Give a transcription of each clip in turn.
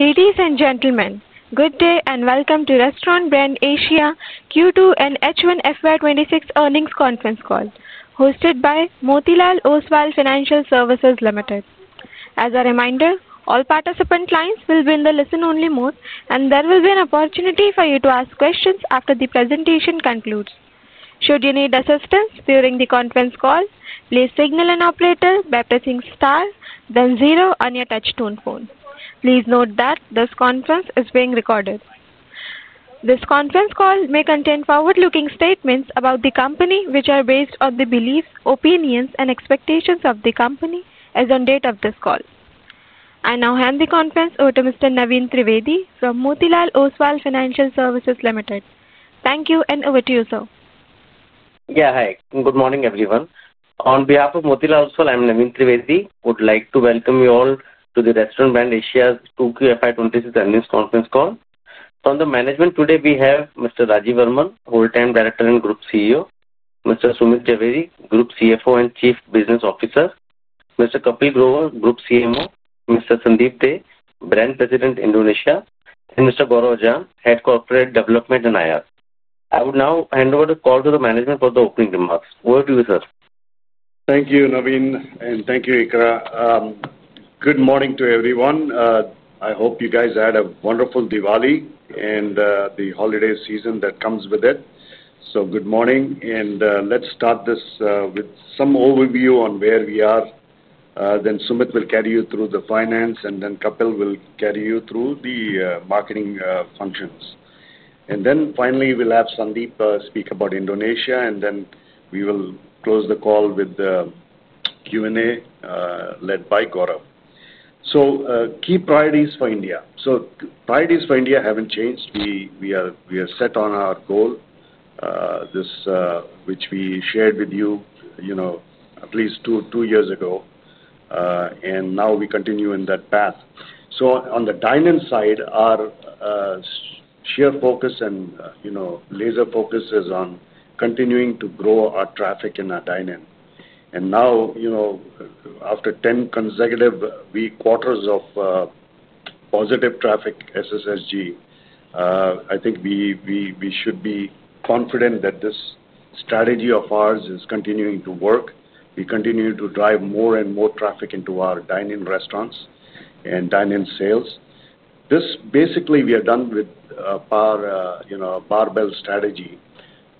Ladies and gentlemen, good day and welcome to Restaurant Brands Asia Q2 and H1 FY 2026 earnings conference call, hosted by Motilal Oswal Financial Services Limited. As a reminder, all participant lines will be in the listen-only mode, and there will be an opportunity for you to ask questions after the presentation concludes. Should you need assistance during the conference call, please signal an operator by pressing star then zero on your touch-tone phone. Please note that this conference is being recorded. This conference call may contain forward-looking statements about the company, which are based on the beliefs, opinions, and expectations of the company as of the date of this call. I now hand the conference over to Mr. Naveen Trivedi from Motilal Oswal Financial Services Limited. Thank you, and over to you, sir. Yeah, hi. Good morning, everyone. On behalf of Motilal Oswal, I'm Naveen Trivedi. I would like to welcome you all to the Restaurant Brands Asia Q2 and H1 FY 2026 earnings conference call. From the management, today we have Mr. Rajeev Varman, Whole Time Director and Group CEO; Mr. Sumit Zaveri, Group CFO and Chief Business Officer; Mr. Kapil Grover, Group CMO; Mr. Sandeep Dey, Brands President, Indonesia; and Mr. Gaurav Ajjan, Head of Corporate Development and IR. I would now hand over the call to the management for the opening remarks. Over to you, sir. Thank you, Naveen, and thank you, Ikra. Good morning to everyone. I hope you guys had a wonderful Diwali and the holiday season that comes with it. Good morning, and let's start this with some overview on where we are. Sumit will carry you through the finance, and Kapil will carry you through the marketing functions. Finally, we'll have Sandeep speak about Indonesia, and we will close the call with the Q&A led by Gaurav. Key priorities for India. Priorities for India haven't changed. We are set on our goal, which we shared with you at least two years ago, and now we continue in that path. On the dine-in side, our sheer focus and laser focus is on continuing to grow our traffic in our dine-in. After 10 consecutive quarters of positive traffic, SSSG, I think we should be confident that this strategy of ours is continuing to work. We continue to drive more and more traffic into our dine-in restaurants and dine-in sales. This basically, we have done with our barbell strategy.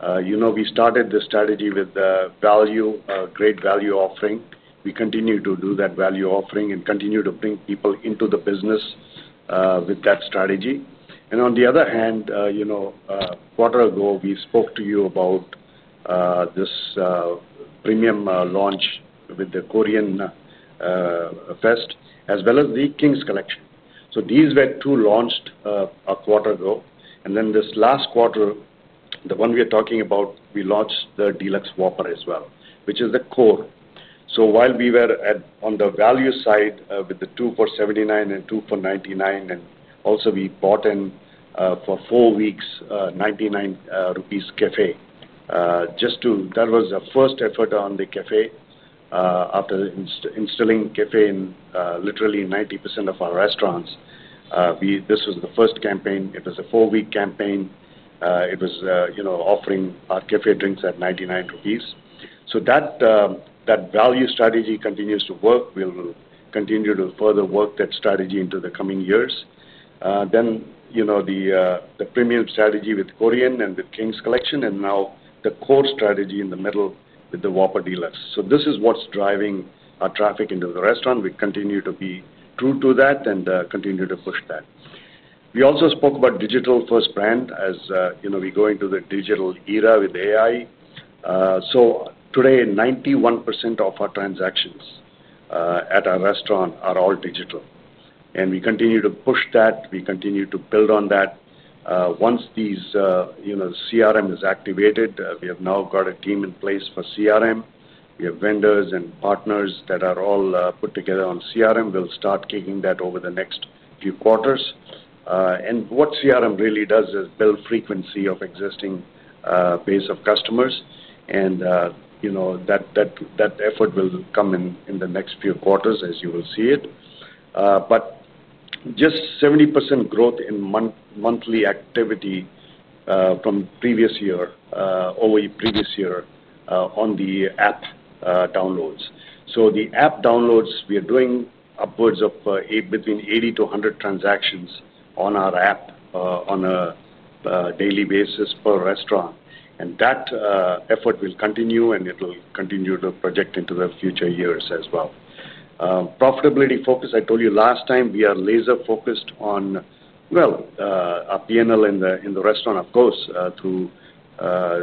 We started this strategy with the value, great value offering. We continue to do that value offering and continue to bring people into the business with that strategy. On the other hand, a quarter ago, we spoke to you about this premium launch with the Korean campaign as well as the Kings Collection. These were two launched a quarter ago. This last quarter, the one we are talking about, we launched the Whopper Deluxe as well, which is the core. While we were on the value side with the 2 for 79 and 2 for 99, and also we brought in for four weeks 99 rupees Cafe. That was our first effort on the cafe. After installing cafe in literally 90% of our restaurants, this was the first campaign. It was a four-week campaign. It was offering our cafe drinks at 99 rupees. That value strategy continues to work. We will continue to further work that strategy into the coming years. The premium strategy with Korean and with Kings Collection, and now the core strategy in the middle with the Whopper Deluxe. This is what's driving our traffic into the restaurant. We continue to be true to that and continue to push that. We also spoke about digital first brand as we go into the digital era with AI. Today, 91% of our transactions at our restaurant are all digital. We continue to push that. We continue to build on that. Once these CRM is activated, we have now got a team in place for CRM. We have vendors and partners that are all put together on CRM. We'll start kicking that over the next few quarters. What CRM really does is build frequency of existing base of customers. That effort will come in the next few quarters as you will see it. Just 70% growth in monthly activity from previous year, over the previous year on the app downloads. The app downloads, we are doing upwards of between 80-100 transactions on our app on a daily basis per restaurant. That effort will continue, and it will continue to project into the future years as well. Profitability focus, I told you last time, we are laser-focused on our P&L in the restaurant, of course, through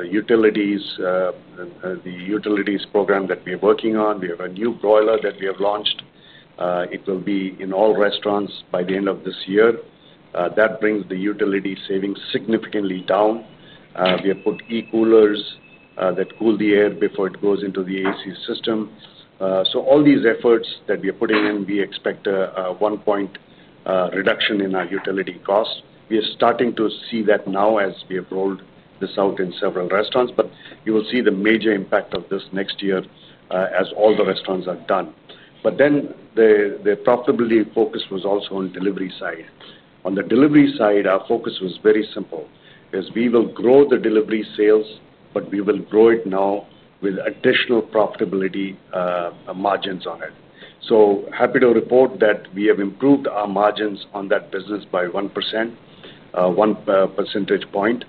utilities. The utilities program that we are working on, we have a new broiler that we have launched. It will be in all restaurants by the end of this year. That brings the utility savings significantly down. We have put e-coolers that cool the air before it goes into the AC system. All these efforts that we are putting in, we expect a one-point reduction in our utility cost. We are starting to see that now as we have rolled this out in several restaurants. You will see the major impact of this next year as all the restaurants are done. The profitability focus was also on delivery side. On the delivery side, our focus was very simple because we will grow the delivery sales, but we will grow it now with additional profitability margins on it. Happy to report that we have improved our margins on that business by 1%. One percentage point.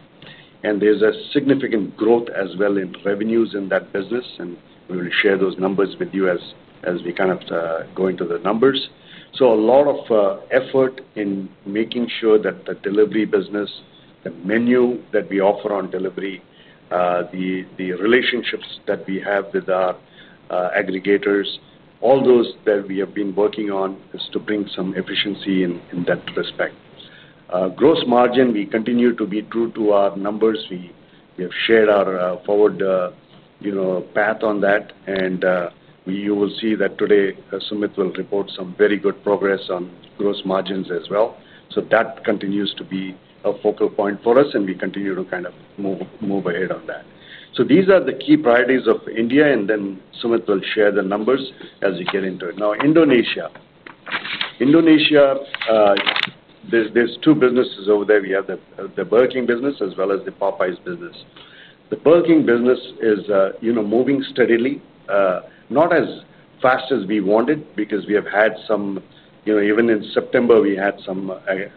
There is a significant growth as well in revenues in that business. We will share those numbers with you as we kind of go into the numbers. A lot of effort in making sure that the delivery business, the menu that we offer on delivery, the relationships that we have with our aggregators, all those that we have been working on is to bring some efficiency in that respect. Gross margin, we continue to be true to our numbers. We have shared our forward path on that. You will see that today, Sumit will report some very good progress on gross margins as well. That continues to be a focal point for us, and we continue to kind of move ahead on that. These are the key priorities of India, and then Sumit will share the numbers as we get into it. Now, Indonesia. There's two businesses over there. We have the Burger King business as well as the Popeyes business. The Burger King business is moving steadily, not as fast as we wanted because we have had some, even in September, we had some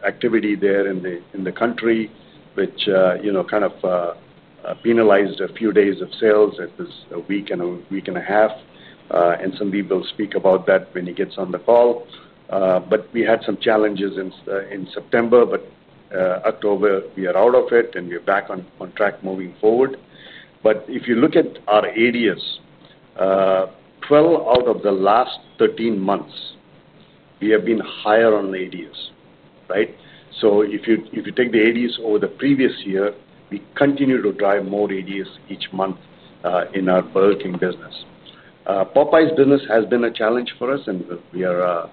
activity there in the country, which kind of penalized a few days of sales at this week and a week and a half. Sandeep will speak about that when he gets on the call. We had some challenges in September, but October we are out of it, and we are back on track moving forward. If you look at our ADS, 12 out of the last 13 months, we have been higher on ADS, right? If you take the ADS over the previous year, we continue to drive more ADS each month in our Burger King business. Popeyes business has been a challenge for us, and we are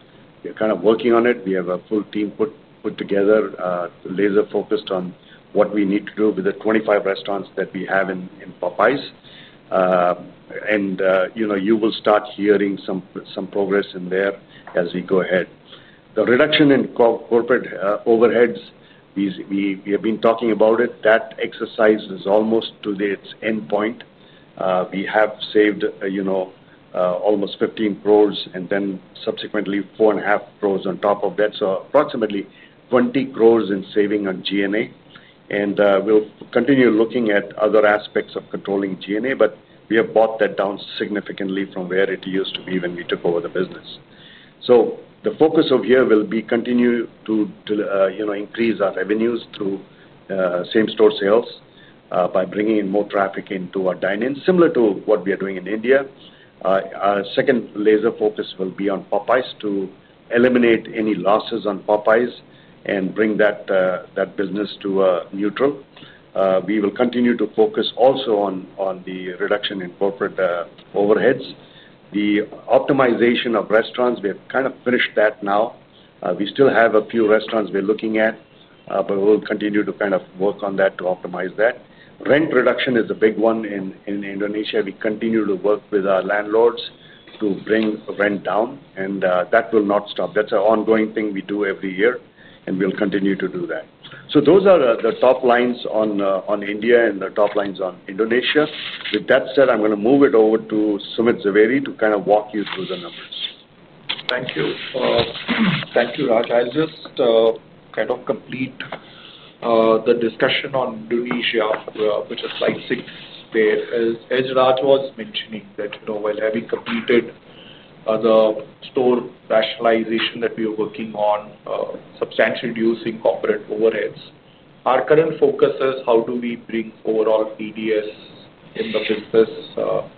kind of working on it. We have a full team put together, laser-focused on what we need to do with the 25 restaurants that we have in Popeyes. You will start hearing some progress in there as we go ahead. The reduction in corporate overheads, we have been talking about it. That exercise is almost to its endpoint. We have saved almost 15 crores and then subsequently 4.5 crores on top of that. Approximately 20 crores in saving on G&A. We will continue looking at other aspects of controlling G&A, but we have brought that down significantly from where it used to be when we took over the business. The focus over here will be to continue to increase our revenues through same-store sales by bringing in more traffic into our dine-in, similar to what we are doing in India. Our second laser focus will be on Popeyes to eliminate any losses on Popeyes and bring that business to a neutral. We will continue to focus also on the reduction in corporate overheads. The optimization of restaurants, we have kind of finished that now. We still have a few restaurants we're looking at, but we'll continue to kind of work on that to optimize that. Rent reduction is a big one in Indonesia. We continue to work with our landlords to bring rent down, and that will not stop. That's an ongoing thing we do every year, and we'll continue to do that. Those are the top lines on India and the top lines on Indonesia. With that said, I'm going to move it over to Sumit Zaveri to kind of walk you through the numbers. Thank you. Thank you, Raj. I'll just complete the discussion on Indonesia, which is slide six. As Raj was mentioning, while having completed the store rationalization that we are working on, substantially reducing corporate overheads, our current focus is how do we bring overall ADS in the business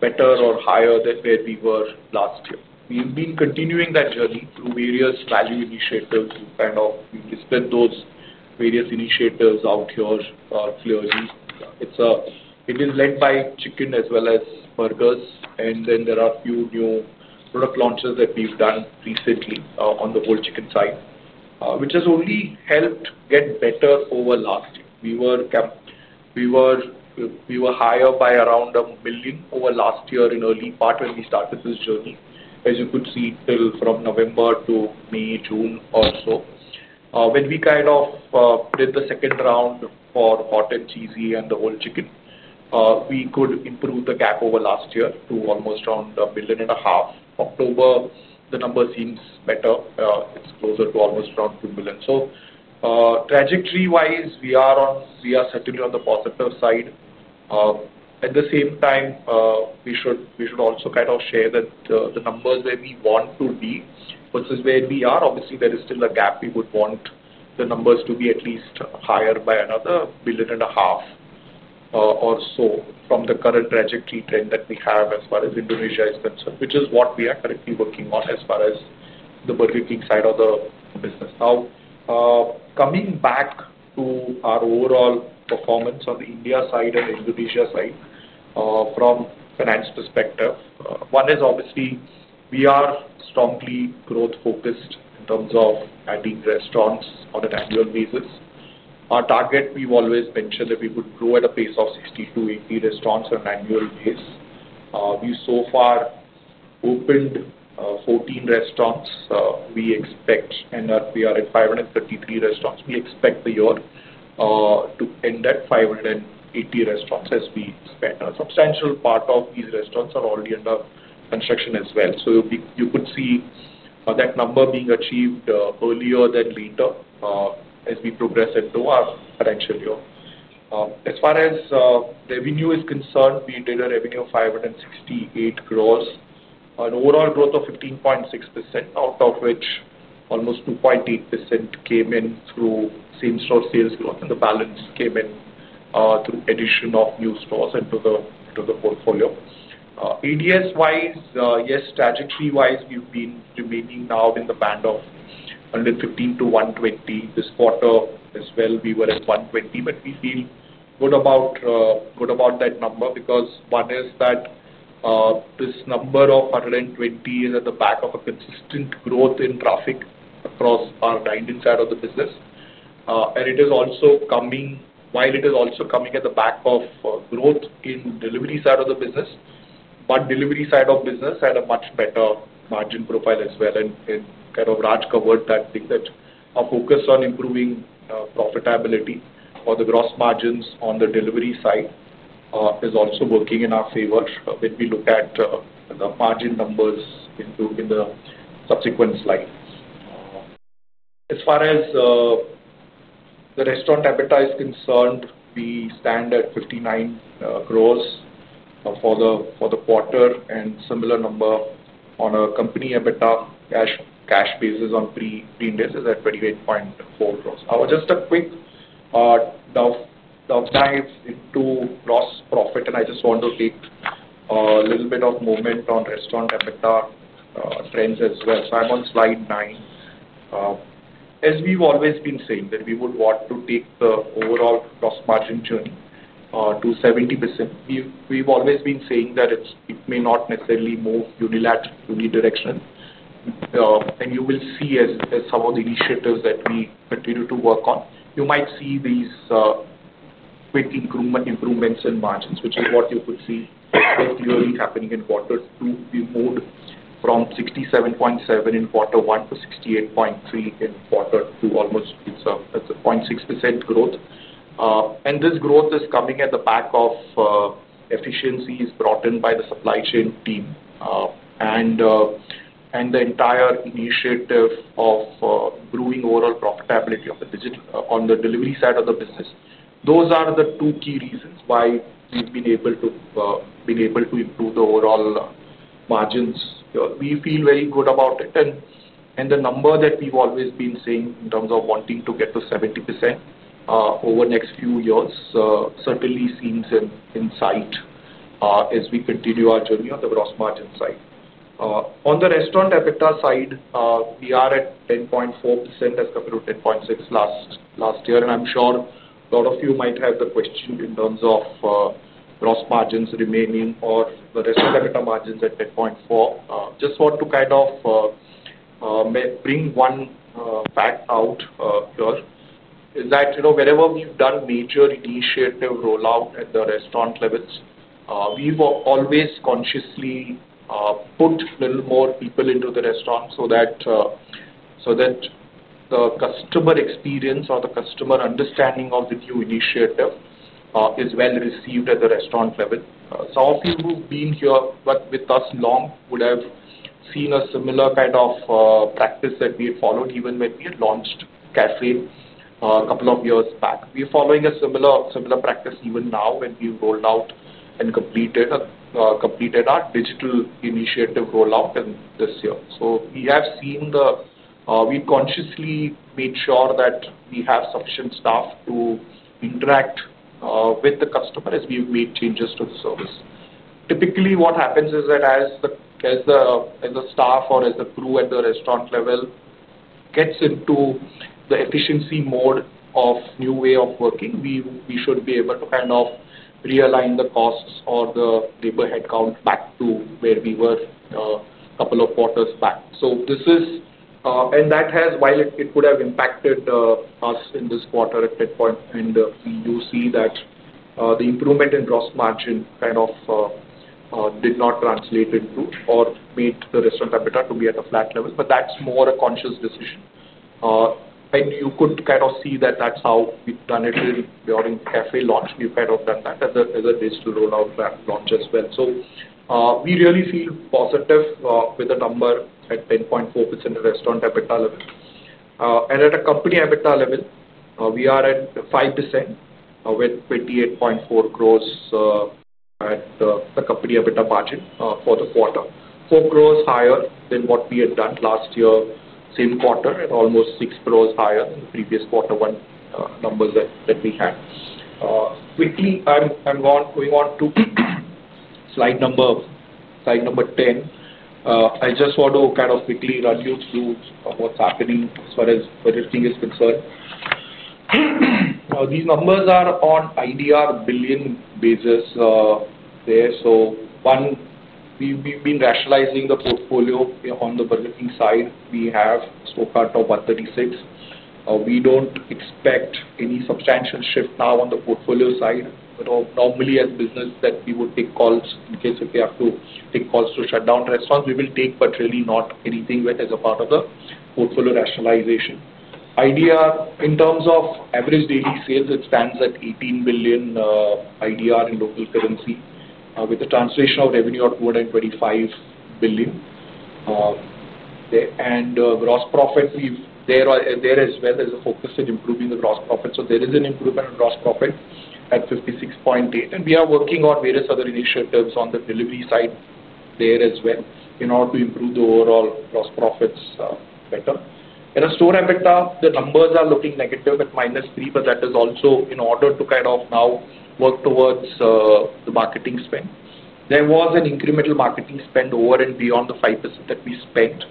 better or higher than where we were last year. We've been continuing that journey through various value initiatives. We've spent those various initiatives out here. It is led by chicken as well as burgers, and then there are a few new product launches that we've done recently on the whole chicken side, which has only helped get better over last year. We were higher by around a million over last year in early part when we started this journey, as you could see from November to May, June or so. When we did the second round for hot and cheesy and the whole chicken, we could improve the gap over last year to almost around a million and a half. October, the number seems better. It's closer to almost around 2 million. Trajectory-wise, we are certainly on the positive side. At the same time, we should also share that the numbers where we want to be versus where we are, obviously, there is still a gap. We would want the numbers to be at least higher by another million and a half or so from the current trajectory trend that we have as far as Indonesia is concerned, which is what we are currently working on as far as the Burger King side of the business. Now, coming back to our overall performance on the India side and Indonesia side, from finance perspective, one is obviously we are strongly growth-focused in terms of adding restaurants on an annual basis. Our target, we've always mentioned that we would grow at a pace of 60-80 restaurants on an annual base. We so far opened 14 restaurants. We expect, and we are at 533 restaurants. We expect the year to end at 580 restaurants as we expect. A substantial part of these restaurants are already under construction as well. You could see that number being achieved earlier than later as we progress into our financial year. As far as revenue is concerned, we did a revenue of 568 crores, an overall growth of 15.6%, out of which almost 2.8% came in through Same-Store Sales Growth, and the balance came in through addition of new stores into the portfolio. ADS-wise, yes, trajectory-wise, we've been remaining now in the band of 115-120. This quarter as well, we were at 120, but we feel good about that number because one is that this number of 120 is at the back of a consistent growth in traffic across our dine-in side of the business. It is also coming at the back of growth in delivery side of the business, but delivery side of business had a much better margin profile as well. Rajeev covered that thing that our focus on improving profitability for the gross margins on the delivery side is also working in our favor when we look at the margin numbers in the subsequent slides. As far as the restaurant EBITDA is concerned, we stand at 59 crore for the quarter and similar number on a company EBITDA cash basis on pre-index is at 28.4 crore. Just a quick dive into gross profit, and I just want to take a little bit of moment on restaurant EBITDA trends as well. I'm on slide nine. As we've always been saying that we would want to take the overall gross margin journey to 70%. We've always been saying that it may not necessarily move unilaterally in any direction. You will see as some of the initiatives that we continue to work on, you might see these quick improvements in margins, which is what you could see very clearly happening in Q2. We moved from 67.7% in Q1 to 68.3% in Q2, almost at the 0.6% growth. This growth is coming at the back of efficiencies brought in by the supply chain team. The entire initiative of improving overall profitability on the delivery side of the business, those are the two key reasons why we've been able to improve the overall margins. We feel very good about it. The number that we've always been saying in terms of wanting to get to 70% over the next few years certainly seems in sight as we continue our journey on the gross margin side. On the restaurant EBITDA side, we are at 10.4% as compared to 10.6% last year. I'm sure a lot of you might have the question in terms of gross margins remaining or the restaurant EBITDA margins at 10.4%. Just want to kind of bring one fact out here. Wherever we've done major initiative rollout at the restaurant levels, we've always consciously put a little more people into the restaurant so that the customer experience or the customer understanding of the new initiative is well received at the restaurant level. Some of you who've been here with us long would have seen a similar kind of practice that we had followed even when we had launched BK Cafe a couple of years back. We are following a similar practice even now when we rolled out and completed our digital initiative rollout this year. We have seen the, we consciously made sure that we have sufficient staff to interact with the customer as we've made changes to the service. Typically, what happens is that as the staff or as the crew at the restaurant level gets into the efficiency mode of new way of working, we should be able to kind of realign the costs or the labor headcount back to where we were a couple of quarters back. That has, while it could have impacted us in this quarter at that point, and you see that the improvement in gross margin kind of did not translate into or made the restaurant EBITDA to be at a flat level, but that's more a conscious decision. You could kind of see that that's how we've done it in the BK Cafe launch. We've kind of done that as a digital rollout launch as well. We really feel positive with the number at 10.4% at restaurant EBITDA level. At a company EBITDA level, we are at 5% with 28.4 crores at the company EBITDA margin for the quarter, 4 crores higher than what we had done last year, same quarter, and almost 6 crores higher than the previous quarter one numbers that we had. Quickly, I'm going on to slide number 10. I just want to kind of quickly run you through what's happening as far as Burger King is concerned. These numbers are on IDR billion basis there. We've been rationalizing the portfolio on the Burger King side. We have a stock out of 136. We don't expect any substantial shift now on the portfolio side. Normally, as a business, we would take calls in case if we have to take calls to shut down restaurants, we will take, but really not anything as a part of the portfolio rationalization. IDR, in terms of average daily sales, it stands at 18 billion IDR in local currency, with a translation of revenue of 225 billion. Gross profit, we've there as well as a focus in improving the gross profit. There is an improvement in gross profit at 56.8 billion. We are working on various other initiatives on the delivery side, there as well, in order to improve the overall gross profits better. In a store EBITDA, the numbers are looking negative at -3%, but that is also in order to kind of now work towards the marketing spend. There was an incremental marketing spend over and beyond the 5% that we spent.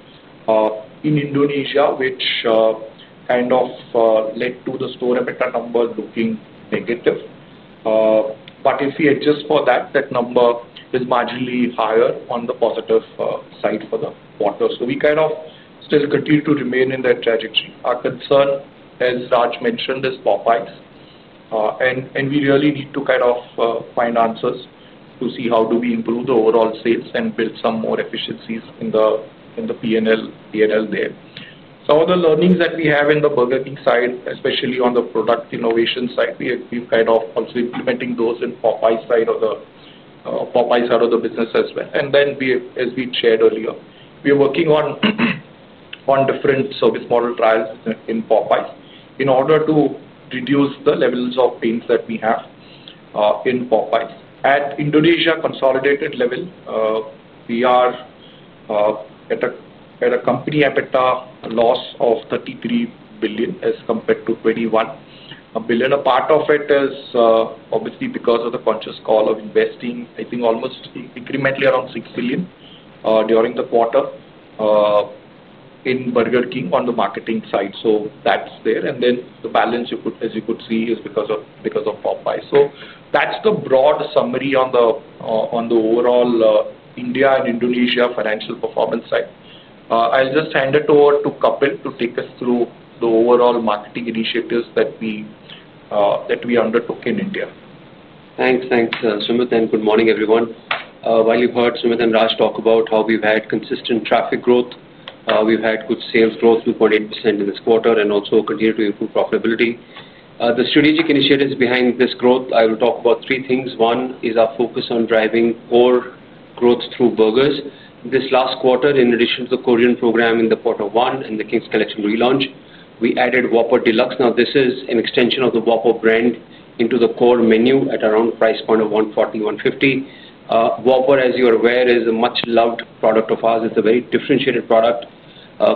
In Indonesia, which kind of led to the store EBITDA numbers looking negative. If we adjust for that, that number is marginally higher on the positive side for the quarter. We kind of still continue to remain in that trajectory. Our concern, as Raj mentioned, is Popeyes. We really need to kind of find answers to see how do we improve the overall sales and build some more efficiencies in the P&L there. Some of the learnings that we have in the Burger King side, especially on the product innovation side, we've kind of also implemented those in Popeyes side of the business as well. As we shared earlier, we're working on different service model trials in Popeyes in order to reduce the levels of pains that we have in Popeyes. At Indonesia consolidated level, we are at a company EBITDA loss of 33 billion as compared to 21 billion. A part of it is obviously because of the conscious call of investing, I think, almost incrementally around 6 billion during the quarter in Burger King on the marketing side. That's there, and then the balance, as you could see, is because of Popeyes. That's the broad summary on the overall India and Indonesia financial performance side. I'll just hand it over to Kapil to take us through the overall marketing initiatives that we undertook in India. Thanks. Thanks, Sumit. Good morning, everyone. While you've heard Sumit and Raj talk about how we've had consistent traffic growth, we've had good sales growth to 48% in this quarter and also continued to improve profitability. The strategic initiatives behind this growth, I will talk about three things. One is our focus on driving core growth through burgers. This last quarter, in addition to the Korean campaign in the quarter one and the Kings Collection relaunch, we added Whopper Deluxe. This is an extension of the Whopper brand into the core menu at around price point of 140, 150. Whopper, as you're aware, is a much-loved product of ours. It's a very differentiated product.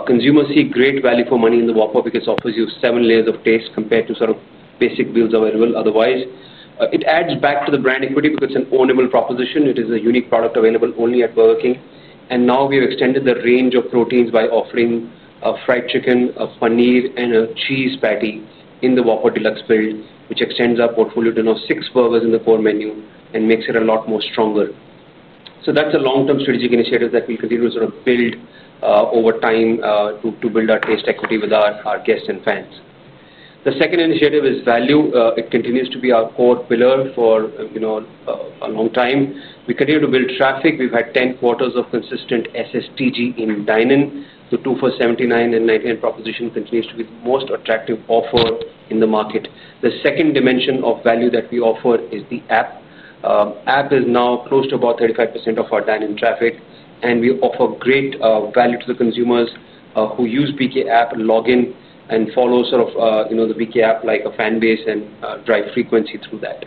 Consumers see great value for money in the Whopper because it offers you seven layers of taste compared to sort of basic meals available otherwise. It adds back to the brand equity because it's an ownable proposition. It is a unique product available only at Burger King. We have extended the range of proteins by offering a fried chicken, a paneer, and a cheese patty in the Whopper Deluxe build, which extends our portfolio to now six burgers in the core menu and makes it a lot more stronger. That's a long-term strategic initiative that we'll continue to sort of build over time to build our taste equity with our guests and fans. The second initiative is value. It continues to be our core pillar for a long time. We continue to build traffic. We've had 10 quarters of consistent SSSG in dine-in. The 2 for 99 proposition continues to be the most attractive offer in the market. The second dimension of value that we offer is the app. App is now close to about 35% of our dine-in traffic, and we offer great value to the consumers who use BK app and log in and follow sort of the BK app like a fan base and drive frequency through that.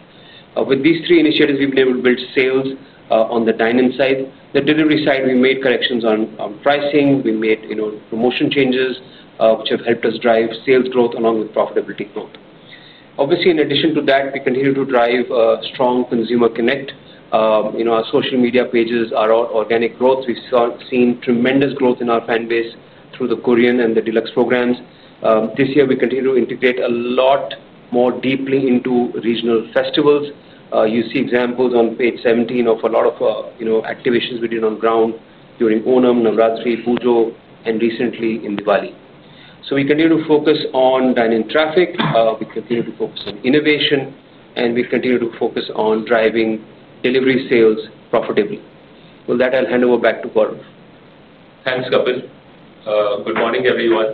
With these three initiatives, we've been able to build sales on the dine-in side. The delivery side, we made corrections on pricing. We made promotion changes, which have helped us drive sales growth along with profitability growth. Obviously, in addition to that, we continue to drive strong consumer connect. Our social media pages are all organic growth. We've seen tremendous growth in our fan base through the Korean campaign and the Deluxe programs. This year, we continue to integrate a lot more deeply into regional festivals. You see examples on page 17 of a lot of activations we did on ground during Onam, Navratri, Pujo, and recently in Diwali. We continue to focus on Dine-in traffic. We continue to focus on innovation, and we continue to focus on driving delivery sales profitably. With that, I'll hand over back to Gaurav. Thanks, Kapil. Good morning, everyone.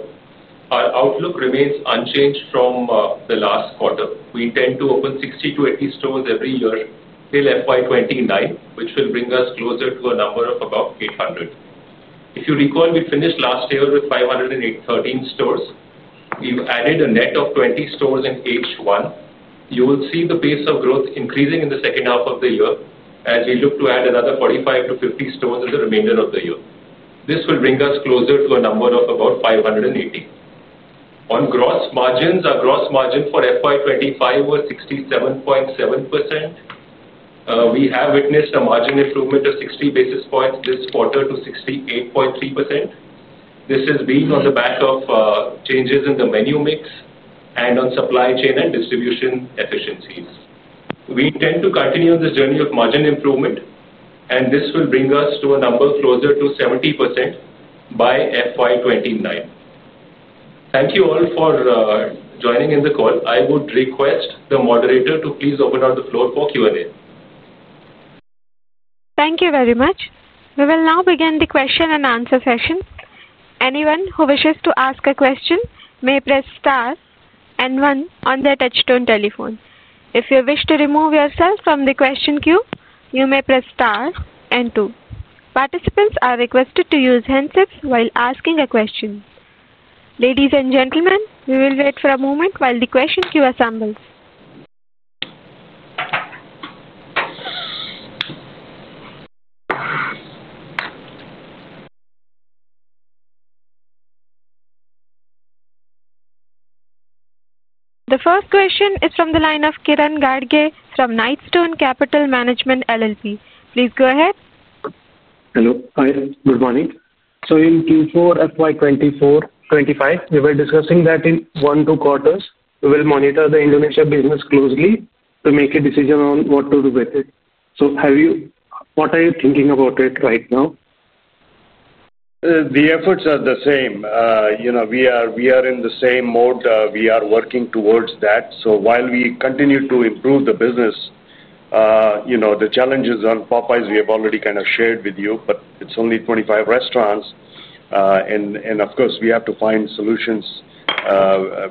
Our outlook remains unchanged from the last quarter. We intend to open 60-80 stores every year till FY 2029, which will bring us closer to a number of about 800. If you recall, we finished last year with 513 stores. We've added a net of 20 stores in H1. You will see the pace of growth increasing in the second half of the year as we look to add another 45-50 stores in the remainder of the year. This will bring us closer to a number of about 580. On gross margins, our gross margin for FY 2025 was 67.7%. We have witnessed a margin improvement of 60 basis points this quarter to 68.3%. This has been on the back of changes in the menu mix and on supply chain and distribution optimizations. We intend to continue on this journey of margin improvement, and this will bring us to a number closer to 70% by FY 2029. Thank you all for joining in the call. I would request the moderator to please open up the floor for Q&A. Thank you very much. We will now begin the question-and-answer session. Anyone who wishes to ask a question may press star and one on their touchtone telephone. If you wish to remove yourself from the question queue, you may press star and two. Participants are requested to use handsets while asking a question. Ladies and gentlemen, we will wait for a moment while the question queue assembles. The first question is from the line of Kiran Gadge from Knightstone Capital Management LLP. Please go ahead. Hello. Hi. Good morning. In Q4, FY 2024, 2025, we were discussing that in one to two quarters, we will monitor the Indonesia business closely to make a decision on what to do with it. What are you thinking about it right now? The efforts are the same. We are in the same mode. We are working towards that. While we continue to improve the business, the challenges on Popeyes, we have already kind of shared with you, but it's only 25 restaurants. Of course, we have to find solutions.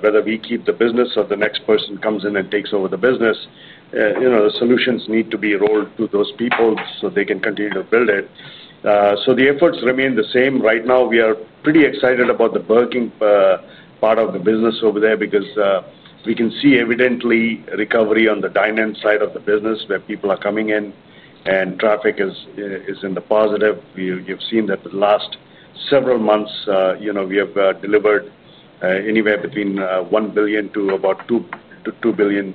Whether we keep the business or the next person comes in and takes over the business, the solutions need to be rolled to those people so they can continue to build it. The efforts remain the same. Right now, we are pretty excited about the Burger King part of the business over there because we can see evidently recovery on the dine-in side of the business where people are coming in and traffic is in the positive. You've seen that the last several months, we have delivered anywhere between 1 million to about 2 million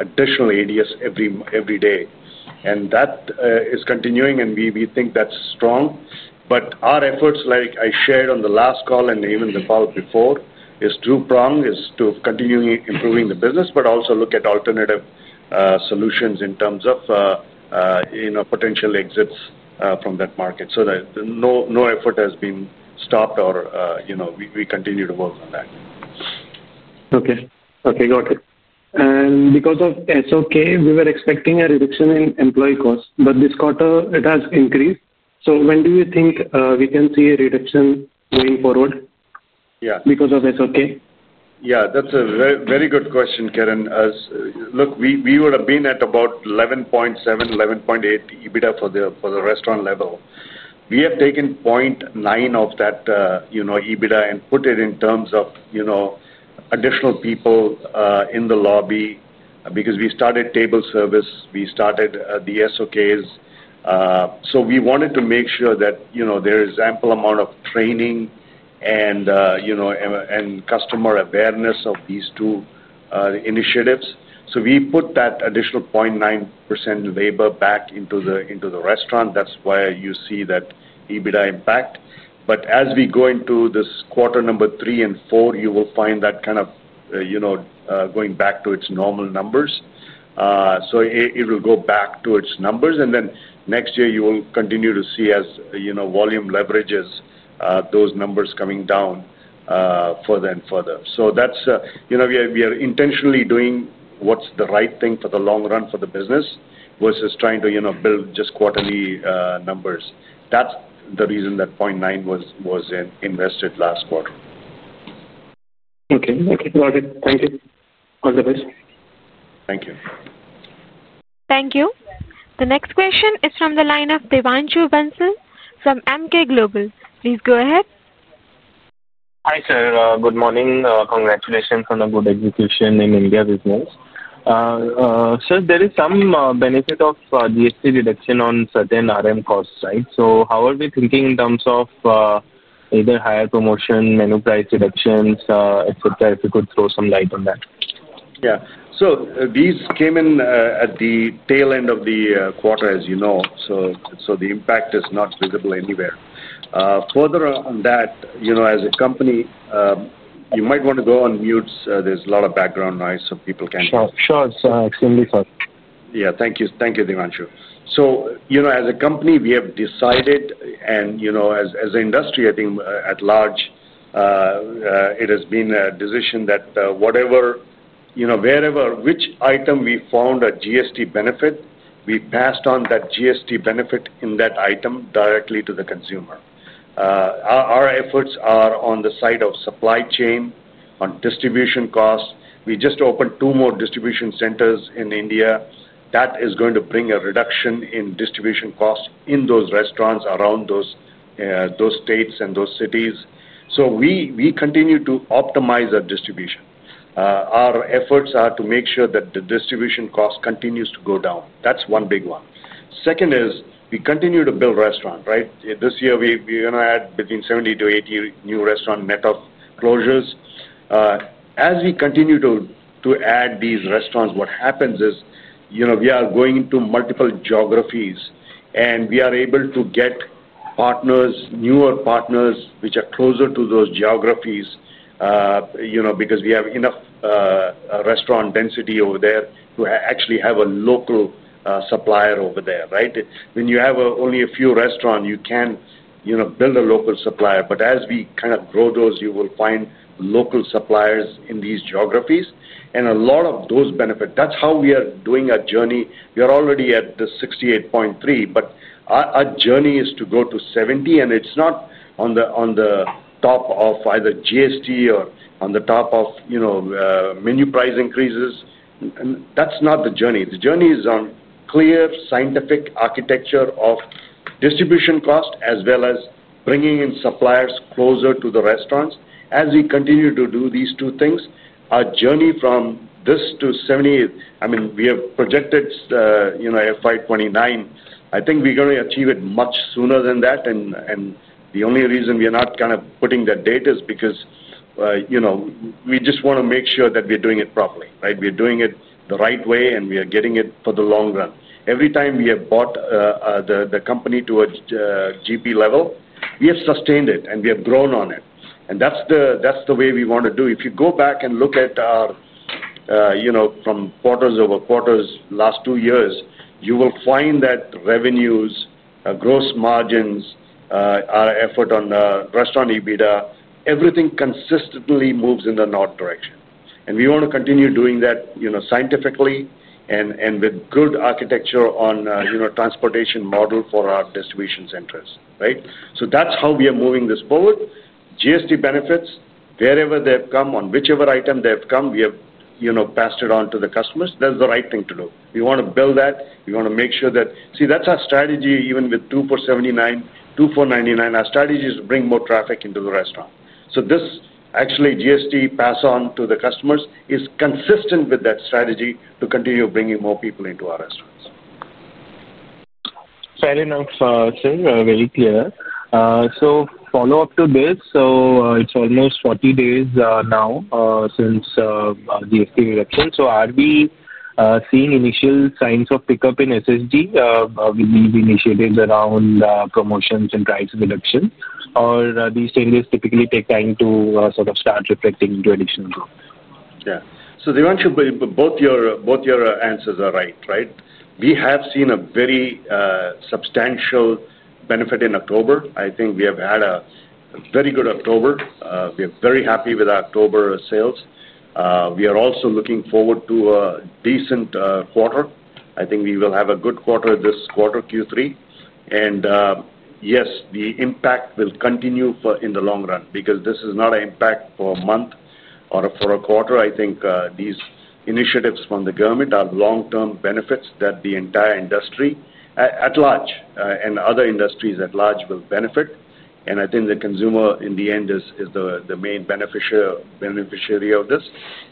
additional ADS every day. That is continuing, and we think that's strong. Our efforts, like I shared on the last call and even the call before, is through prong is to continue improving the business, but also look at alternative solutions in terms of potential exits from that market. No effort has been stopped. We continue to work on that. Okay. Got it. Because of SOK, we were expecting a reduction in employee costs, but this quarter, it has increased. When do you think we can see a reduction going forward because of SOK? Yeah. That's a very good question, Kiran. Look, we would have been at about 11.7%, 11.8% EBITDA for the restaurant level. We have taken 0.9% of that. EBITDA and put it in terms of additional people in the lobby because we started table service. We started the SOKs. We wanted to make sure that there is ample amount of training and customer awareness of these two initiatives. We put that additional 0.9% labor back into the restaurant. That's where you see that EBITDA impact. As we go into this quarter three and four, you will find that going back to its normal numbers. It will go back to its numbers. Next year, you will continue to see as volume leverages those numbers coming down further and further. We are intentionally doing what's the right thing for the long run for the business versus trying to build just quarterly numbers. That's the reason that 0.9% was invested last quarter. Okay. Got it. Thank you. All the best. Thank you. Thank you. The next question is from the line of Devanshu Bansal from Emkay Global. Please go ahead. Hi, sir. Good morning. Congratulations on a good execution in India business. Sir, there is some benefit of GST reduction on certain RM costs, right? How are we thinking in terms of either higher promotion, menu price reductions, etc.? If you could throw some light on that. Yeah. These came in at the tail end of the quarter, as you know. The impact is not visible anywhere. Further on that, as a company. You might want to go on mute. There's a lot of background noise, so people can hear. Sure. Sure. It's extremely fine. Yeah. Thank you. Thank you, Devanshu. As a company, we have decided, and as an industry, I think at large, it has been a decision that whatever item we found a GST benefit, we passed on that GST benefit in that item directly to the consumer. Our efforts are on the side of supply chain, on distribution costs. We just opened two more distribution centers in India. That is going to bring a reduction in distribution costs in those restaurants around those states and those cities. We continue to optimize our distribution. Our efforts are to make sure that the distribution cost continues to go down. That's one big one. Second is we continue to build restaurants, right? This year, we're going to add between 70-80 new restaurants net of closures. As we continue to add these restaurants, what happens is we are going into multiple geographies, and we are able to get partners, newer partners, which are closer to those geographies because we have enough. Restaurant density over there to actually have a local supplier over there, right? When you have only a few restaurants, you can't build a local supplier. As we kind of grow those, you will find local suppliers in these geographies, and a lot of those benefits. That's how we are doing our journey. We are already at the 68.3, but our journey is to go to 70, and it's not on the top of either GST or on the top of menu price increases. That's not the journey. The journey is on clear scientific architecture of distribution cost as well as bringing in suppliers closer to the restaurants. As we continue to do these two things, our journey from this to 70, I mean, we have projected FY 2029. I think we're going to achieve it much sooner than that. The only reason we are not kind of putting that date is because we just want to make sure that we're doing it properly, right? We're doing it the right way, and we are getting it for the long run. Every time we have brought the company to a GP level, we have sustained it, and we have grown on it. That's the way we want to do. If you go back and look at our quarters over quarters last two years, you will find that revenues, gross margins, our effort on restaurant EBITDA, everything consistently moves in the north direction. We want to continue doing that scientifically and with good architecture on transportation model for our distribution centers, right? That's how we are moving this forward. GST benefits, wherever they have come, on whichever item they have come, we have passed it on to the customers. That's the right thing to do. We want to build that. We want to make sure that, see, that's our strategy even with 2 for 79, 2 for 99. Our strategy is to bring more traffic into the restaurant. This actually GST pass-on to the customers is consistent with that strategy to continue bringing more people into our restaurants. Fair enough, sir. Very clear. Follow up to this. It's almost 40 days now since GST reduction. Are we seeing initial signs of pickup in SSSG with these initiatives around promotions and price reductions, or do these changes typically take time to sort of start reflecting into additional growth? Yeah. Devanshu, both your answers are right, right? We have seen a very substantial benefit in October. I think we have had a very good October. We are very happy with our October sales. We are also looking forward to a decent quarter. I think we will have a good quarter this quarter, Q3. Yes, the impact will continue in the long run because this is not an impact for a month or for a quarter. I think these initiatives from the government are long-term benefits that the entire industry at large and other industries at large will benefit. I think the consumer, in the end, is the main beneficiary of this.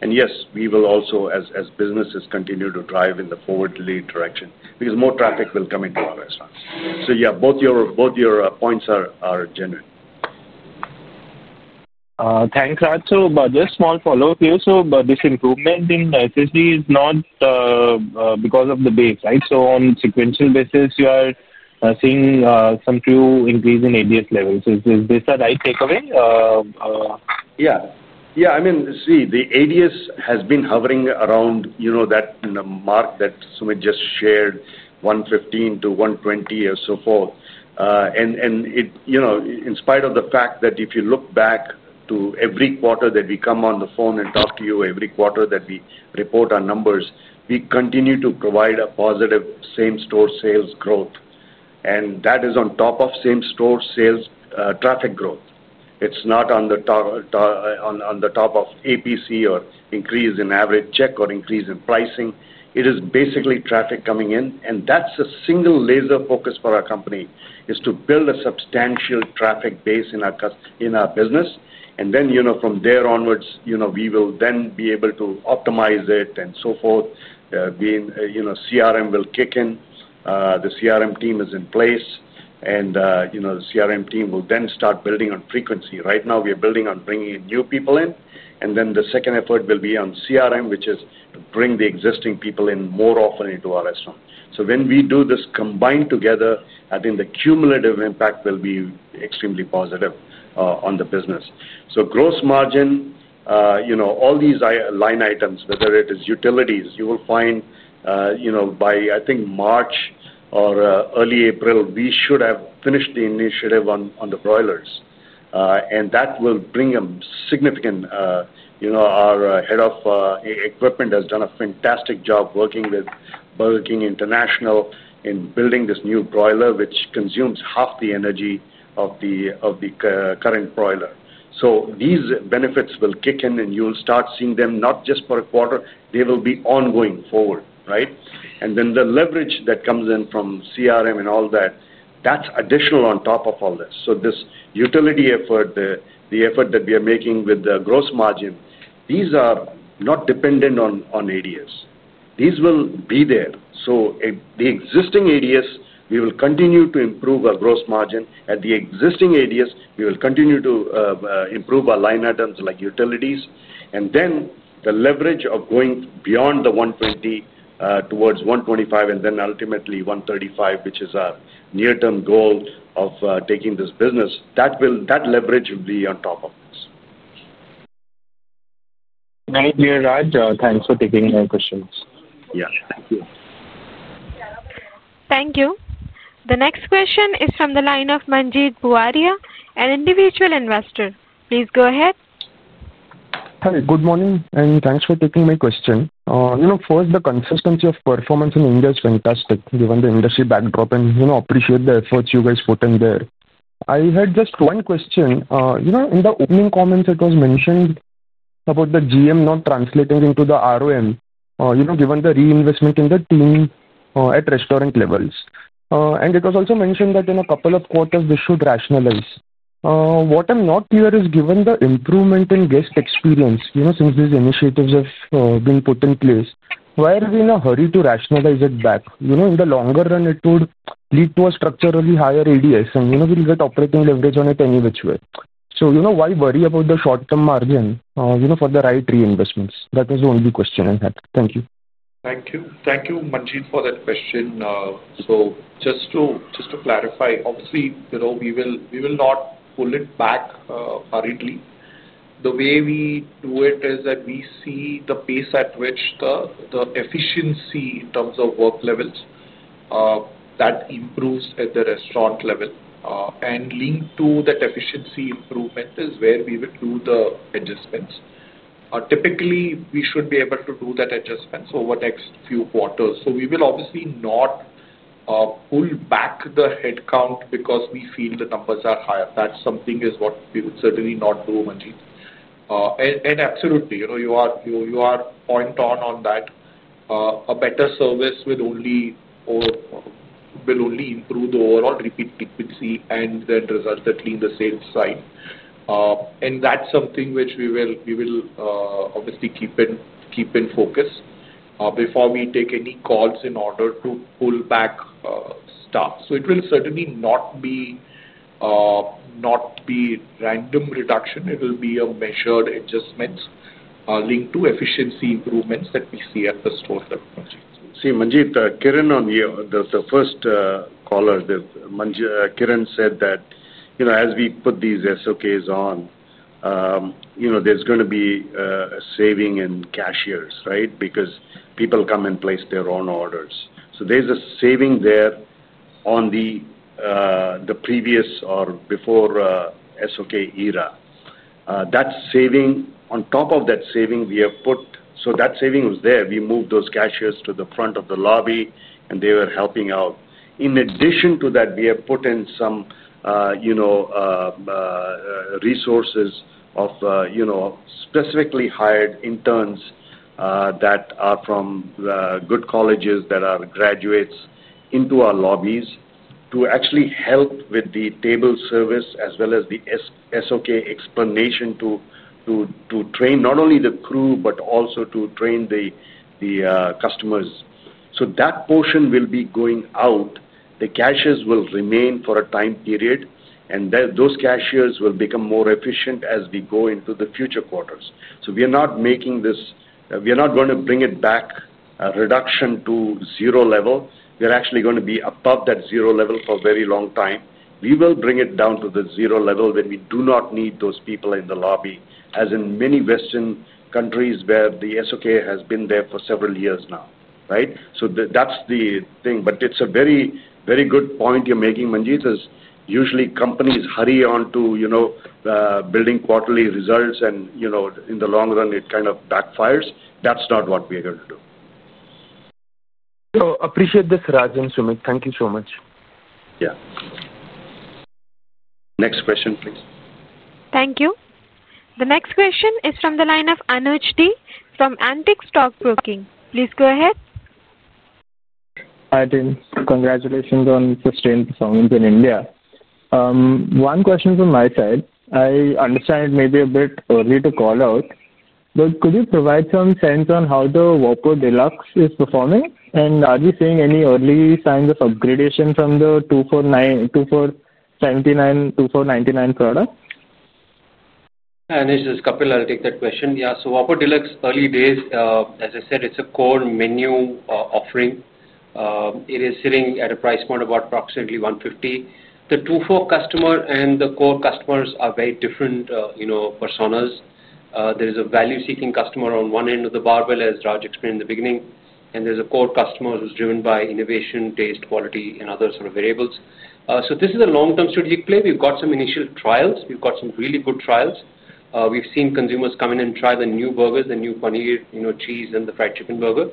Yes, we will also, as businesses, continue to drive in the forward-lead direction because more traffic will come into our restaurants. Both your points are genuine. Thanks, Raj. Just small follow-up here. This improvement in SSSG is not because of the base, right? On a sequential basis, you are seeing some true increase in ADS levels. Is this a right takeaway? Yeah. I mean, see, the ADS has been hovering around that mark that Sumit just shared, 115-120 or so forth. In spite of the fact that if you look back to every quarter that we come on the phone and talk to you, every quarter that we report our numbers, we continue to provide a positive Same-Store Sales Growth. That is on top of same-store sales traffic growth. It's not on the top of APC or increase in average check or increase in pricing. It is basically traffic coming in. That's a single laser focus for our company, is to build a substantial traffic base in our business. From there onwards, we will then be able to optimize it and so forth. CRM will kick in. The CRM team is in place. The CRM team will then start building on frequency. Right now, we are building on bringing new people in. The second effort will be on CRM, which is to bring the existing people in more often into our restaurant. When we do this combined together, I think the cumulative impact will be extremely positive on the business. Gross margin, all these line items, whether it is utilities, you will find by, I think, March or early April, we should have finished the initiative on the broilers. That will bring a significant. Our Head of Equipment has done a fantastic job working with Burger King International in building this new broiler, which consumes half the energy of the current broiler. These benefits will kick in, and you'll start seeing them not just for a quarter. They will be ongoing forward, right? The leverage that comes in from CRM and all that, that's additional on top of all this. This utility effort, the effort that we are making with the gross margin, these are not dependent on ADS. These will be there. At the existing ADS, we will continue to improve our gross margin. At the existing ADS, we will continue to improve our line items like utilities. The leverage of going beyond the 120 towards 125 and then ultimately 135, which is our near-term goal of taking this business, that leverage will be on top of this. Very clear, Raj. Thanks for taking my questions. Yeah. Thank you. Thank you. The next question is from the line of Manjeet Buaria, an Individual Investor. Please go ahead. Hi. Good morning. Thanks for taking my question. First, the consistency of performance in India is fantastic given the industry backdrop, and I appreciate the efforts you guys put in there. I had just one question. In the opening comments, it was mentioned about the GM not translating into the ROM given the reinvestment in the team at restaurant levels. It was also mentioned that in a couple of quarters, this should rationalize. What I'm not clear is, given the improvement in guest experience since these initiatives have been put in place, why are we in a hurry to rationalize it back? In the longer run, it would lead to a structurally higher ADS, and we'll get operating leverage on it any which way. Why worry about the short-term margin for the right reinvestments? That was the only question I had. Thank you. Thank you. Thank you, Manjeet, for that question. Just to clarify, obviously, we will not pull it back hurriedly. The way we do it is that we see the pace at which the efficiency in terms of work levels improves at the restaurant level. Linked to that efficiency improvement is where we will do the adjustments. Typically, we should be able to do that adjustment over the next few quarters. We will obviously not pull back the headcount because we feel the numbers are higher. That is something we would certainly not do, Manjeet. Absolutely, you are point on on that.A better service will only improve the overall repeat frequency and then result at least the same side. That is something which we will obviously keep in focus before we take any calls in order to pull back staff. It will certainly not be a random reduction. It will be a measured adjustment linked to efficiency improvements that we see at the store. Manjeet, Kiran on the first caller, Kiran said that as we put these SOKs on. There's going to be a saving in cashiers, right? Because people come and place their own orders. There's a saving there on the previous or before SOK era. That saving, on top of that saving, we have put so that saving was there. We moved those cashiers to the front of the lobby, and they were helping out. In addition to that, we have put in some resources of specifically hired interns that are from good colleges that are graduates into our lobbies to actually help with the table service as well as the SOK explanation to train not only the crew but also to train the customers. That portion will be going out. The cashiers will remain for a time period, and those cashiers will become more efficient as we go into the future quarters. We are not going to bring it back reduction to zero level. We're actually going to be above that zero level for a very long time. We will bring it down to the zero level when we do not need those people in the lobby, as in many Western countries where the SOK has been there for several years now, right? That's the thing. It's a very, very good point you're making, Manjeet, as usually companies hurry on to building quarterly results, and in the long run, it kind of backfires. That's not what we are going to do. Appreciate this, Raj and Sumit. Thank you so much. Yeah. Next question, please. Thank you. The next question is from the line of Anuj D from Antique Stock Broking. Please go ahead. Hi, team. Congratulations on sustained performance in India. One question from my side. I understand it may be a bit early to call out. Could you provide some sense on how the Whopper Deluxe is performing? Are we seeing any early signs of the 2 for 79, 2 for 99 product? This is Kapil. I'll take that question. Yeah. Whopper Deluxe early days, as I said, it's a core menu offering. It is sitting at a price point of approximately 150. The 2 for customer and the core customers are very different personas. There is a value-seeking customer on one end of the barbell, as Raj explained in the beginning. There's a core customer who's driven by innovation, taste, quality, and other sort of variables. This is a long-term strategic play. We've got some initial trials. We've got some really good trials. We've seen consumers come in and try the new burgers, the new paneer, cheese, and the fried chicken burger.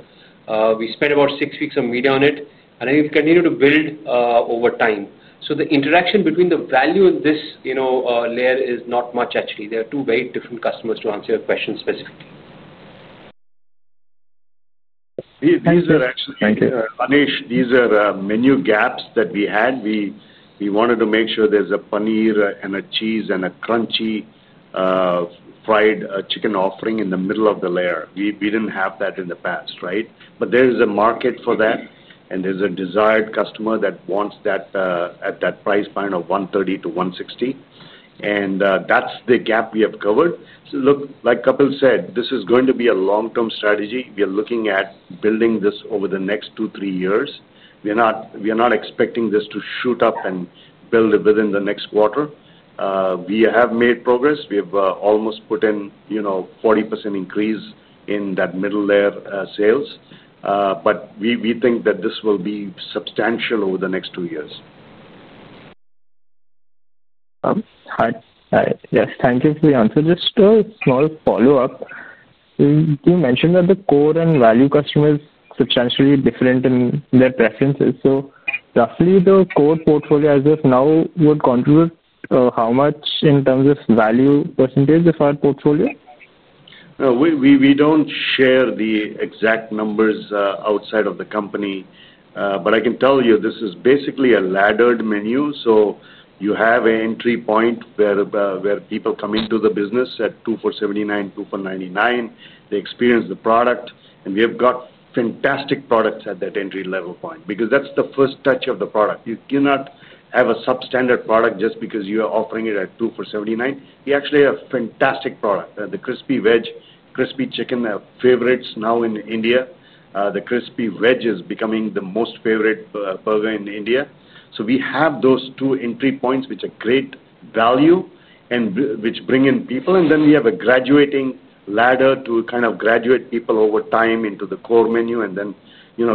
We spent about six weeks of media on it. We have continued to build over time. The interaction between the value and this layer is not much, actually. They are two very different customers to answer your question specifically. These are actually, Anuj, these are menu gaps that we had. We wanted to make sure there's a paneer and a cheese and a crunchy fried chicken offering in the middle of the layer. We didn't have that in the past, right? There is a market for that, and there's a desired customer that wants that at that price point of 130 to 160. That's the gap we have covered. Like Kapil said, this is going to be a long-term strategy. We are looking at building this over the next two, three years. We are not expecting this to shoot up and build within the next quarter. We have made progress. We have almost put in a 40% increase in that middle layer sales. We think that this will be substantial over the next two years. Thank you for the answer. Just a small follow-up. You mentioned that the core and value customers are substantially different in their preferences. Roughly, the core portfolio as of now would contribute how much in terms of value percentage of our portfolio? We don't share the exact numbers outside of the company. I can tell you this is basically a laddered menu. You have an entry point where people come into the business at 2 for 79, 2 for 99. They experience the product. We have got fantastic products at that entry-level point because that's the first touch of the product. You cannot have a substandard product just because you are offering it at 2 for 79. We actually have fantastic products. The crispy veg, crispy chicken, are favorites now in India. The crispy veg is becoming the most favorite burger in India. We have those two entry points, which are great value and which bring in people. We have a graduating ladder to kind of graduate people over time into the core menu.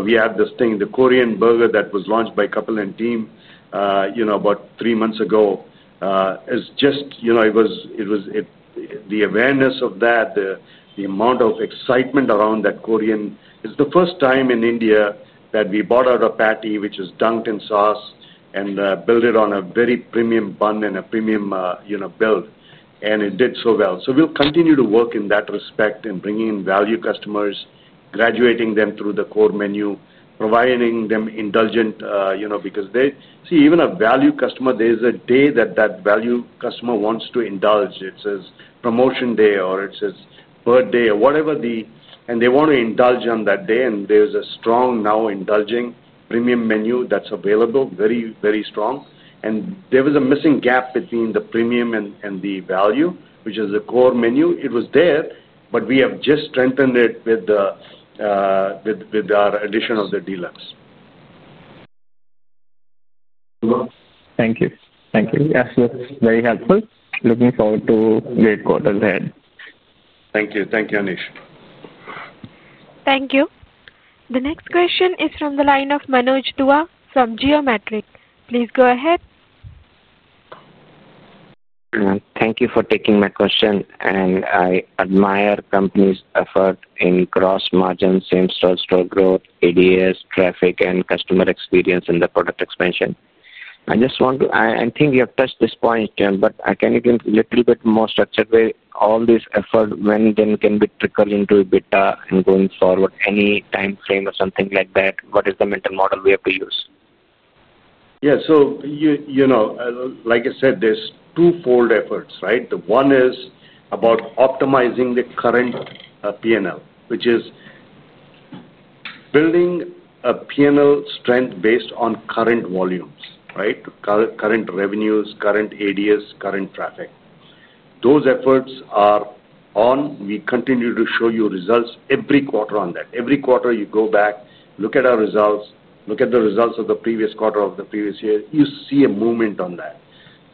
We have this thing, the Korean burger that was launched by Kapil and team about three months ago. The awareness of that, the amount of excitement around that Korean is the first time in India that we brought out a patty which is dunked in sauce and built it on a very premium bun and a premium build. It did so well. We'll continue to work in that respect and bring in value customers, graduating them through the core menu, providing them indulgent because they see even a value customer, there's a day that that value customer wants to indulge. It's a promotion day or it's a birthday or whatever, and they want to indulge on that day. There's a strong now indulging premium menu that's available, very, very strong. There was a missing gap between the premium and the value, which is the core menu. It was there, but we have just strengthened it with our addition of the Deluxe. Thank you. Thank you. Yes, it's very helpful. Looking forward to great quarters ahead. Thank you. Thank you, Anuj. Thank you. The next question is from the line of Manoj Dua from Geometric. Please go ahead. Thank you for taking my question. I admire the company's effort in cross-margin, Same-Store Sales Growth, ADS, traffic, and customer experience in the product expansion. I just want to, I think you have touched this point, but I can give you a little bit more structured way. All this effort, when then can be trickled into EBITDA and going forward, any timeframe or something like that? What is the mental model we have to use? Yeah. Like I said, there's twofold efforts, right? One is about optimizing the current P&L, which is building a P&L strength based on current volumes, right? Current revenues, current ADS, current traffic. Those efforts are on. We continue to show you results every quarter on that. Every quarter, you go back, look at our results, look at the results of the previous quarter of the previous year. You see a movement on that.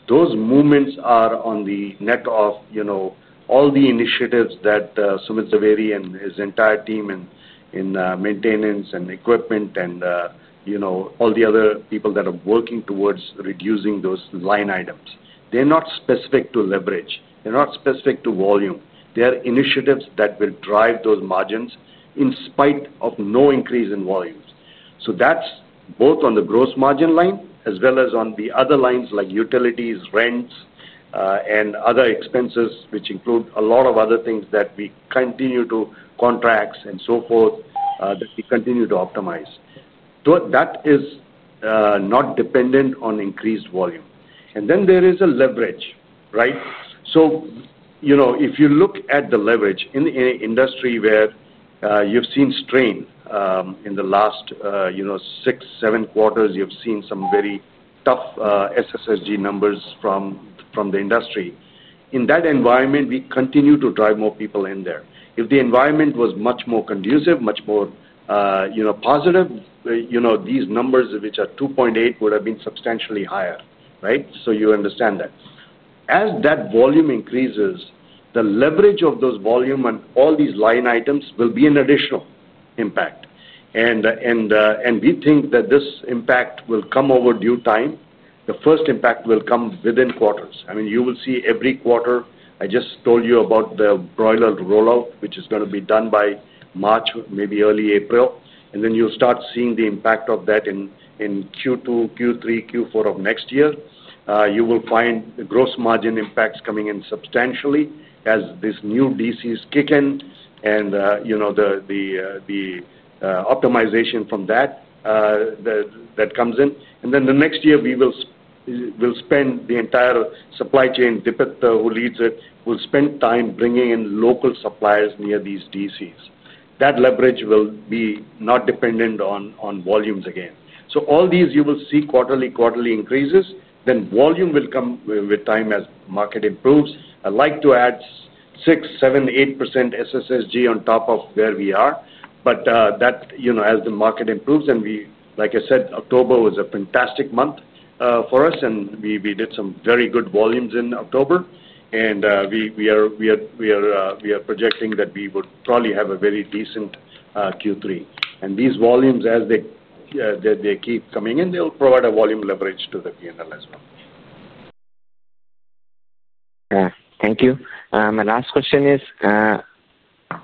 Those movements are on the net of all the initiatives that Sumit Zaveri and his entire team and in maintenance and equipment, and all the other people that are working towards reducing those line items. They're not specific to leverage. They're not specific to volume. They are initiatives that will drive those margins in spite of no increase in volumes. That's both on the gross margin line as well as on the other lines like utilities, rents, and other expenses, which include a lot of other things that we continue to contracts and so forth that we continue to optimize. That is not dependent on increased volume. Then there is a leverage, right? If you look at the leverage in an industry where you've seen strain in the last six, seven quarters, you've seen some very tough SSSG numbers from the industry. In that environment, we continue to drive more people in there. If the environment was much more conducive, much more positive, these numbers, which are 2.8%, would have been substantially higher, right? You understand that as that volume increases, the leverage of those volume and all these line items will be an additional impact. We think that this impact will come over due time. The first impact will come within quarters. I mean, you will see every quarter. I just told you about the broiler rollout, which is going to be done by March, maybe early April. You will start seeing the impact of that in Q2, Q3, Q4 of next year. You will find gross margin impacts coming in substantially as this new DC is kicking in and the optimization from that comes in. The next year, we will spend the entire supply chain. Dipith, who leads it, will spend time bringing in local suppliers near these DCs. That leverage will be not dependent on volumes again. You will see quarterly, quarterly increases. Volume will come with time as market improves. I'd like to add 6%, 7%, 8% SSSG on top of where we are. As the market improves, and we, like I said, October was a fantastic month for us, and we did some very good volumes in October. We are projecting that we would probably have a very decent Q3. These volumes, as they keep coming in, they'll provide a volume leverage to the P&L as well. Thank you. My last question is,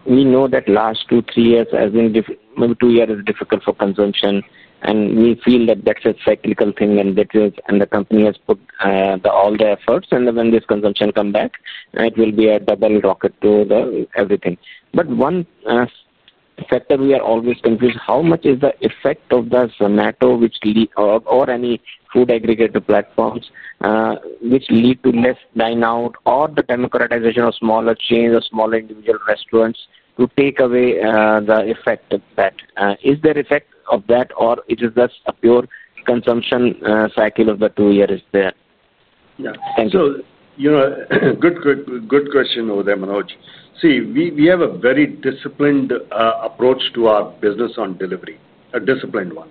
we know that the last two, three years, as in maybe two years, is difficult for consumption. We feel that that's a cyclical thing. The company has put all the efforts, and when this consumption comes back, it will be a double rocket to everything. One factor we are always confused, how much is the effect of the Zomato, which or any food aggregator platforms, which lead to less dine-out or the democratization of smaller chains or smaller individual restaurants to take away the effect of that? Is there an effect of that, or is it just a pure consumption cycle of the two years? Thank you. Good question over there, Manoj. We have a very disciplined approach to our business on delivery, a disciplined one.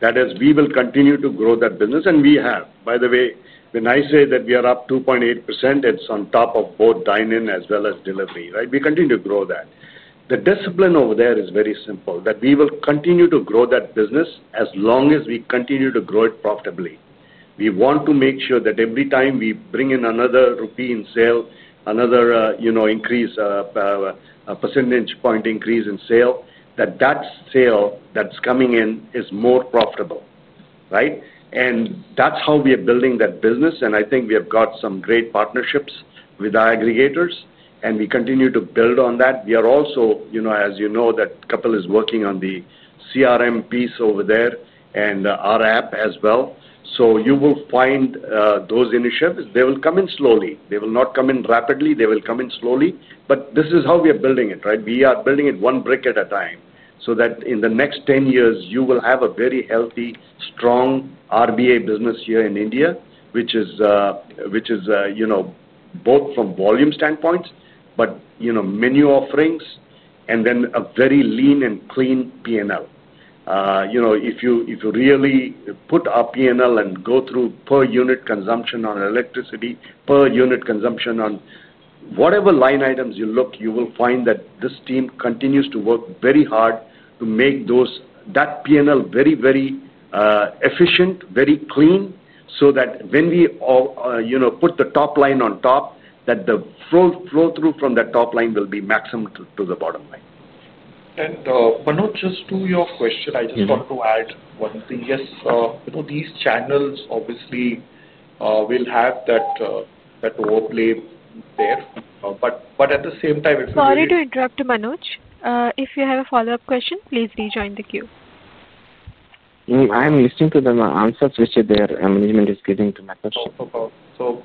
That is, we will continue to grow that business. By the way, when I say that we are up 2.8%, it's on top of both dine-in as well as delivery, right? We continue to grow that. The discipline over there is very simple, that we will continue to grow that business as long as we continue to grow it profitably. We want to make sure that every time we bring in another rupee in sale, another percentage point increase in sale, that that sale that's coming in is more profitable, right? That's how we are building that business. I think we have got some great partnerships with our aggregators, and we continue to build on that. We are also, as you know, that Kapil is working on the CRM piece over there and our app as well. You will find those initiatives. They will come in slowly. They will not come in rapidly. They will come in slowly. This is how we are building it, right? We are building it one brick at a time so that in the next 10 years, you will have a very healthy, strong RBA business here in India, which is both from volume standpoints, but menu offerings, and then a very lean and clean P&L. If you really put our P&L and go through per unit consumption on electricity, per unit consumption on whatever line items you look, you will find that this team continues to work very hard to make that P&L very, very efficient, very clean, so that when we put the top line on top, the flow-through from that top line will be maximum to the bottom line. Manoj, just to your question, I just want to add one thing. Yes, these channels obviously will have that overplay there. At the same time, if we— Sorry to interrupt, Manoj. If you have a follow-up question, please rejoin the queue. I am listening to the answers which the management is giving to my question. We'll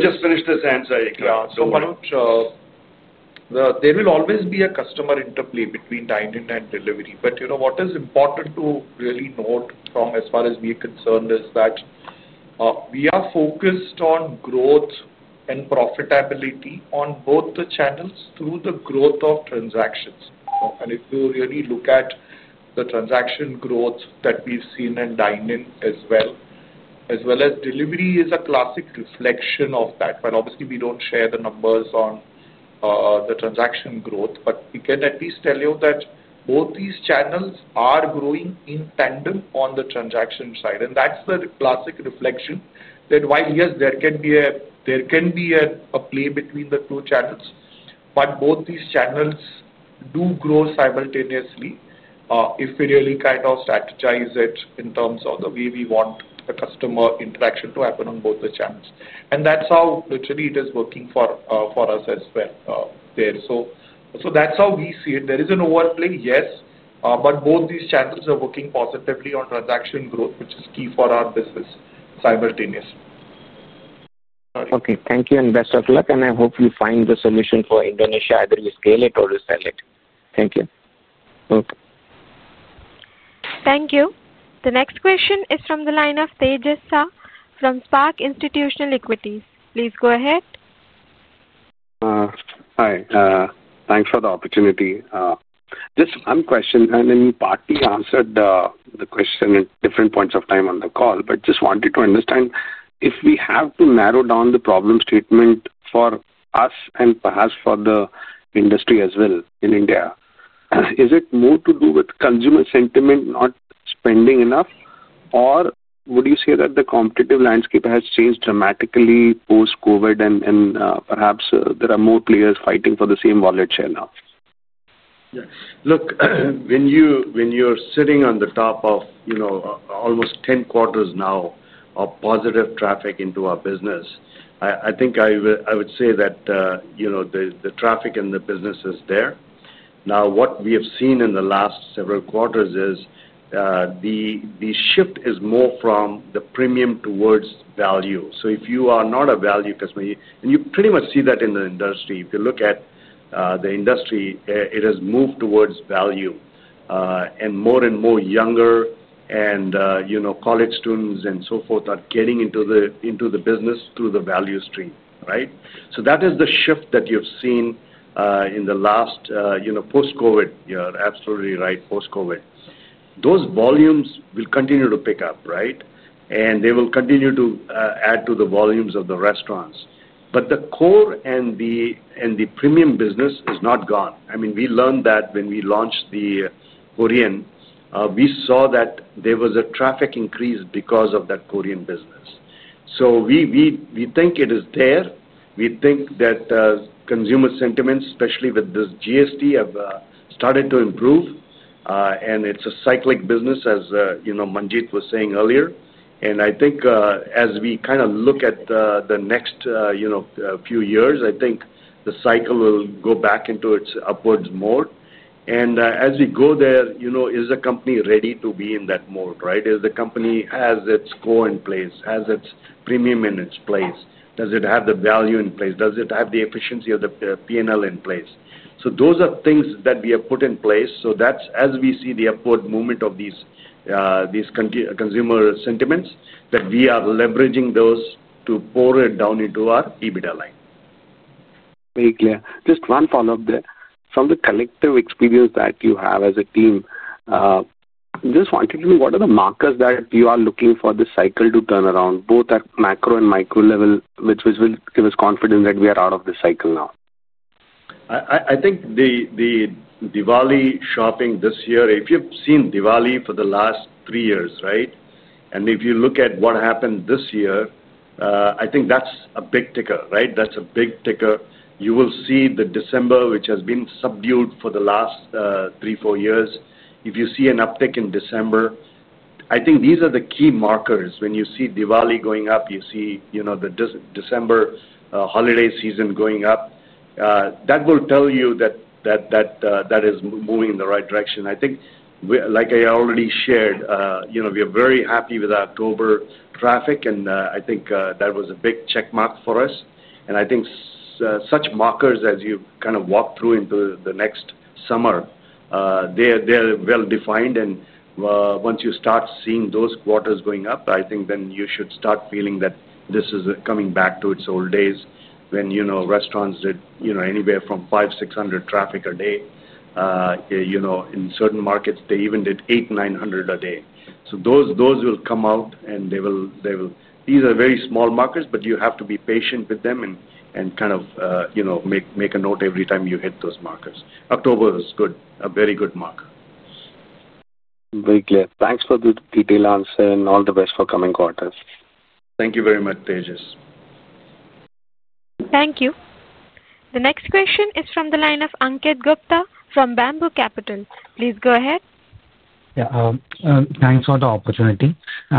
just finish this and say, yeah. So Manoj, there will always be a customer interplay between dine-in and delivery. What is important to really note, as far as we are concerned, is that we are focused on growth and profitability on both the channels through the growth of transactions. If you really look at the transaction growth that we've seen in dine-in as well, as well as delivery, it is a classic reflection of that. Obviously, we don't share the numbers on the transaction growth. We can at least tell you that both these channels are growing in tandem on the transaction side. That's the classic reflection that, yes, there can be. A play between the two channels, but both these channels do grow simultaneously if we really kind of strategize it in terms of the way we want the customer interaction to happen on both the channels. That's how, literally, it is working for us as well there. That's how we see it. There is an overplay, yes. Both these channels are working positively on transaction growth, which is key for our business simultaneously. Thank you and best of luck. I hope you find the solution for Indonesia, either you scale it or you sell it. Thank you. Thank you. The next question is from the line of Tejas Shah from Spark Institutional Equities. Please go ahead. Hi. Thanks for the opportunity. Just one question. You partly answered the question at different points of time on the call, but just wanted to understand if we have to narrow down the problem statement for us and perhaps for the industry as well in India, is it more to do with consumer sentiment, not spending enough, or would you say that the competitive landscape has changed dramatically post-COVID, and perhaps there are more players fighting for the same wallet share now? Yes. Look, when you're sitting on the top of almost 10 quarters now of positive traffic into our business, I think I would say that the traffic and the business is there. What we have seen in the last several quarters is the shift is more from the premium towards value. If you are not a value customer, and you pretty much see that in the industry. If you look at the industry, it has moved towards value. More and more younger and college students and so forth are getting into the business through the value stream, right? That is the shift that you've seen in the last post-COVID. You're absolutely right, post-COVID. Those volumes will continue to pick up, right? They will continue to add to the volumes of the restaurants. The core and the premium business is not gone. I mean, we learned that when we launched the Korean campaign, we saw that there was a traffic increase because of that Korean business. We think it is there. We think that consumer sentiments, especially with this GST, have started to improve. It's a cyclic business, as Manjeet was saying earlier. I think as we kind of look at the next few years, I think the cycle will go back into its upwards mode. As we go there, is the company ready to be in that mode, right? Is the company has its core in place, has its premium in its place? Does it have the value in place? Does it have the efficiency of the P&L in place? Those are things that we have put in place. That's as we see the upward movement of these consumer sentiments, that we are leveraging those to pour it down into our EBITDA line. Very clear. Just one follow-up there. From the collective experience that you have as a team, just wanted to know what are the markers that you are looking for the cycle to turn around, both at macro and micro level, which will give us confidence that we are out of the cycle now? I think the Diwali shopping this year, if you've seen Diwali for the last three years, right? If you look at what happened this year, I think that's a big ticker, right? That's a big ticker. You will see the December, which has been subdued for the last three, four years. If you see an uptick in December, I think these are the key markers. When you see Diwali going up, you see the December holiday season going up, that will tell you that it is moving in the right direction. I think, like I already shared, we are very happy with the October traffic, and I think that was a big checkmark for us. I think such markers, as you kind of walk through into the next summer, they're well-defined. Once you start seeing those quarters going up, I think then you should start feeling that this is coming back to its old days when restaurants did anywhere from 5,600 traffic a day. In certain markets, they even did 8,900 a day. Those will come out, and they will—these are very small markers, but you have to be patient with them and kind of make a note every time you hit those markers. October is a very good marker. Very clear. Thanks for the detailed answer and all the best for coming quarters. Thank you very much, Tejas. Thank you. The next question is from the line of Ankit Gupta from Bamboo Capital. Please go ahead. Yeah. Thanks for the opportunity. We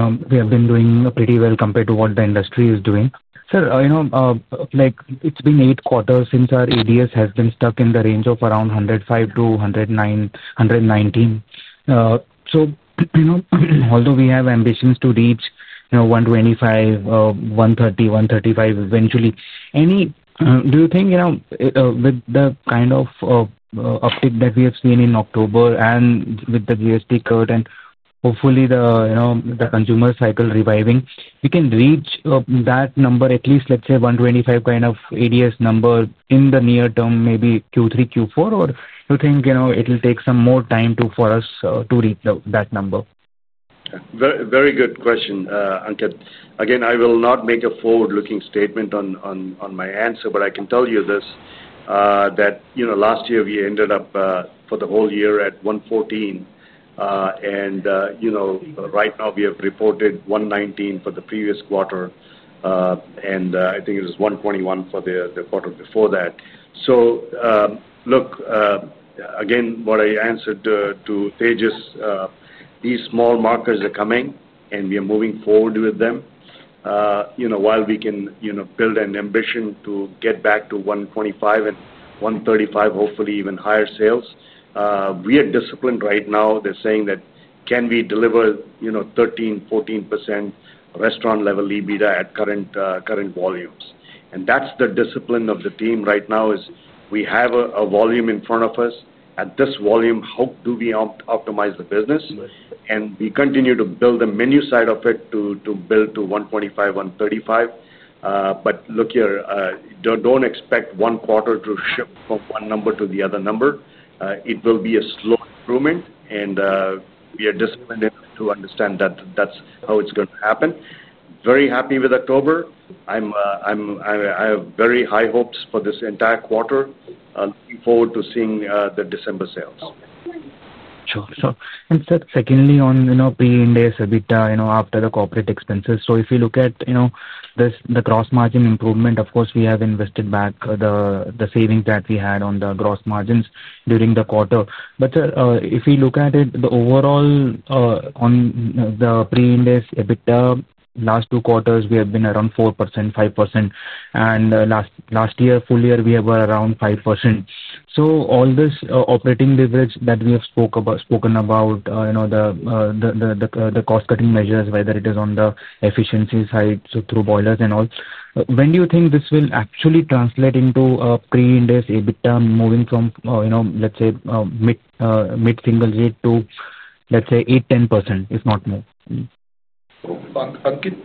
have been doing pretty well compared to what the industry is doing. Sir, it's been eight quarters since our ADS has been stuck in the range of around 105 to 109, 119. Although we have ambitions to reach 125, 130, 135 eventually, do you think, with the kind of. Uptick that we have seen in October and with the GST curve and hopefully the consumer cycle reviving, we can reach that number, at least, let's say, 125 kind of ADS number in the near term, maybe Q3, Q4, or do you think it will take some more time for us to reach that number? Very good question, Ankit. Again, I will not make a forward-looking statement on my answer, but I can tell you this, that last year we ended up for the whole year at 114. Right now we have reported 119 for the previous quarter. I think it was 121 for the quarter before that. Look, again, what I answered to Tejas. These small markers are coming, and we are moving forward with them. While we can build an ambition to get back to 125 and 135, hopefully even higher sales, we are disciplined right now. They're saying that can we deliver 13%, 14% restaurant-level EBITDA at current volumes? That's the discipline of the team right now, is we have a volume in front of us. At this volume, how do we optimize the business? We continue to build the menu side of it to build to 125, 135. Look here, don't expect one quarter to shift from one number to the other number. It will be a slow improvement, and we are disciplined enough to understand that that's how it's going to happen. Very happy with October. I have very high hopes for this entire quarter. Looking forward to seeing the December sales. Sure. Sure. Secondly, on pre-index EBITDA after the corporate expenses. If you look at the gross margin improvement, of course, we have invested back the savings that we had on the gross margins during the quarter. If we look at it, the overall, on the pre-index EBITDA, last two quarters, we have been around 4%, 5%. Last year, full year, we were around 5%. All this operating leverage that we have spoken about, the cost-cutting measures, whether it is on the efficiency side, so through boilers and all, when do you think this will actually translate into a pre-index EBITDA moving from, let's say, mid-single rate to, let's say, 8%, 10%, if not more? Ankit,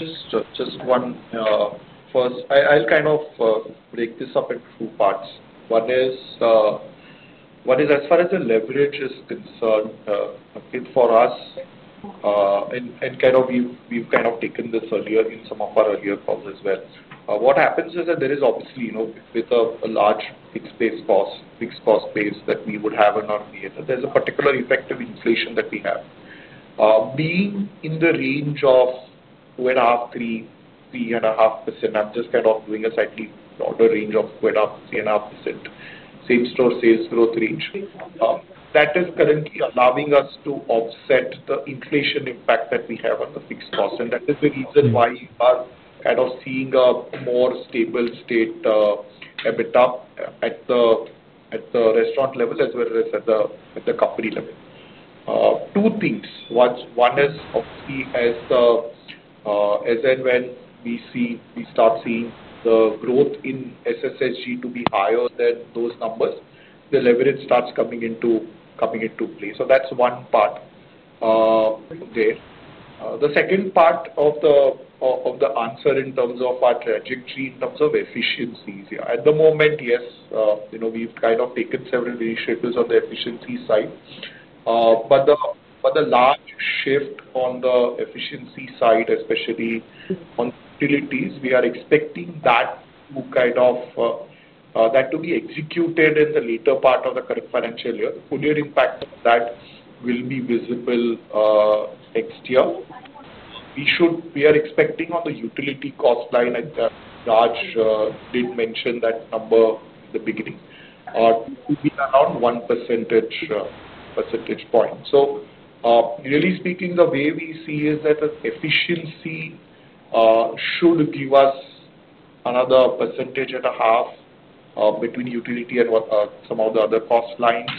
just one. First, I'll kind of break this up into two parts. One is, as far as the leverage is concerned. For us, and kind of we've kind of taken this earlier in some of our earlier calls as well. What happens is that there is obviously, with a large fixed-price space that we would have in our area, there's a particular effect of inflation that we have. Being in the range of. 2.5%, 3%, 3.5%, I'm just kind of doing a slightly broader range of 2.5%, 3.5% Same-Store Sales Growth range. That is currently allowing us to offset the inflation impact that we have on the fixed cost. That is the reason why we are kind of seeing a more stable state. EBITDA at the restaurant level as well as at the company level. Two things. One is, obviously, as and when we start seeing the growth in SSSG to be higher than those numbers, the leverage starts coming into play. That's one part there. The second part of the answer in terms of our trajectory, in terms of efficiencies. At the moment, yes, we've kind of taken several initiatives on the efficiency side. The large shift on the efficiency side, especially on utilities, we are expecting that to be executed in the later part of the current financial year. The full-year impact of that will be visible next year. We are expecting on the utility cost line, as Raj did mention that number in the beginning, to be around 1 percentage point. Really speaking, the way we see is that efficiency should give us another percentage and a half between utility and some of the other cost lines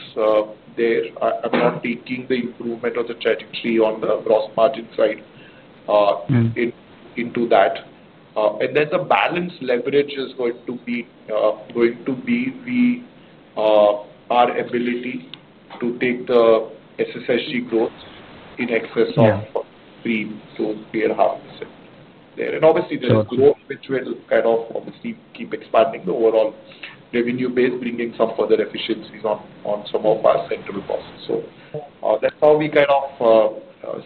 there. I'm not taking the improvement of the trajectory on the gross margin side into that. The balance leverage is going to be. We are. Our ability to take the SSSG growth in excess of— Yes. 3%-3.5% there. Obviously, there's growth which will kind of obviously keep expanding the overall revenue base, bringing some further efficiencies on some of our central costs. That's how we kind of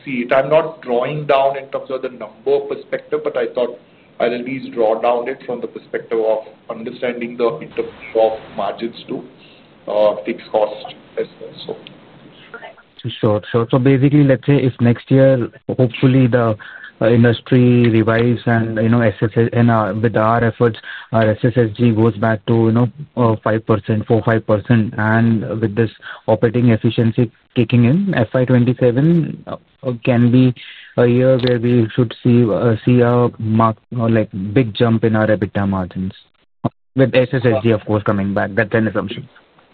see it. I'm not drawing down in terms of the number perspective, but I thought I'll at least draw down it from the perspective of understanding the interval of margins to fixed cost as well. Sure. Basically, let's say if next year, hopefully, the industry revives and with our efforts, our SSSG goes back to 5%, 4%, 5%, and with this operating efficiency kicking in, FY 2027 can be a year where we should see a big jump in our EBITDA margins, with SSSG, of course, coming back. That's an assumption.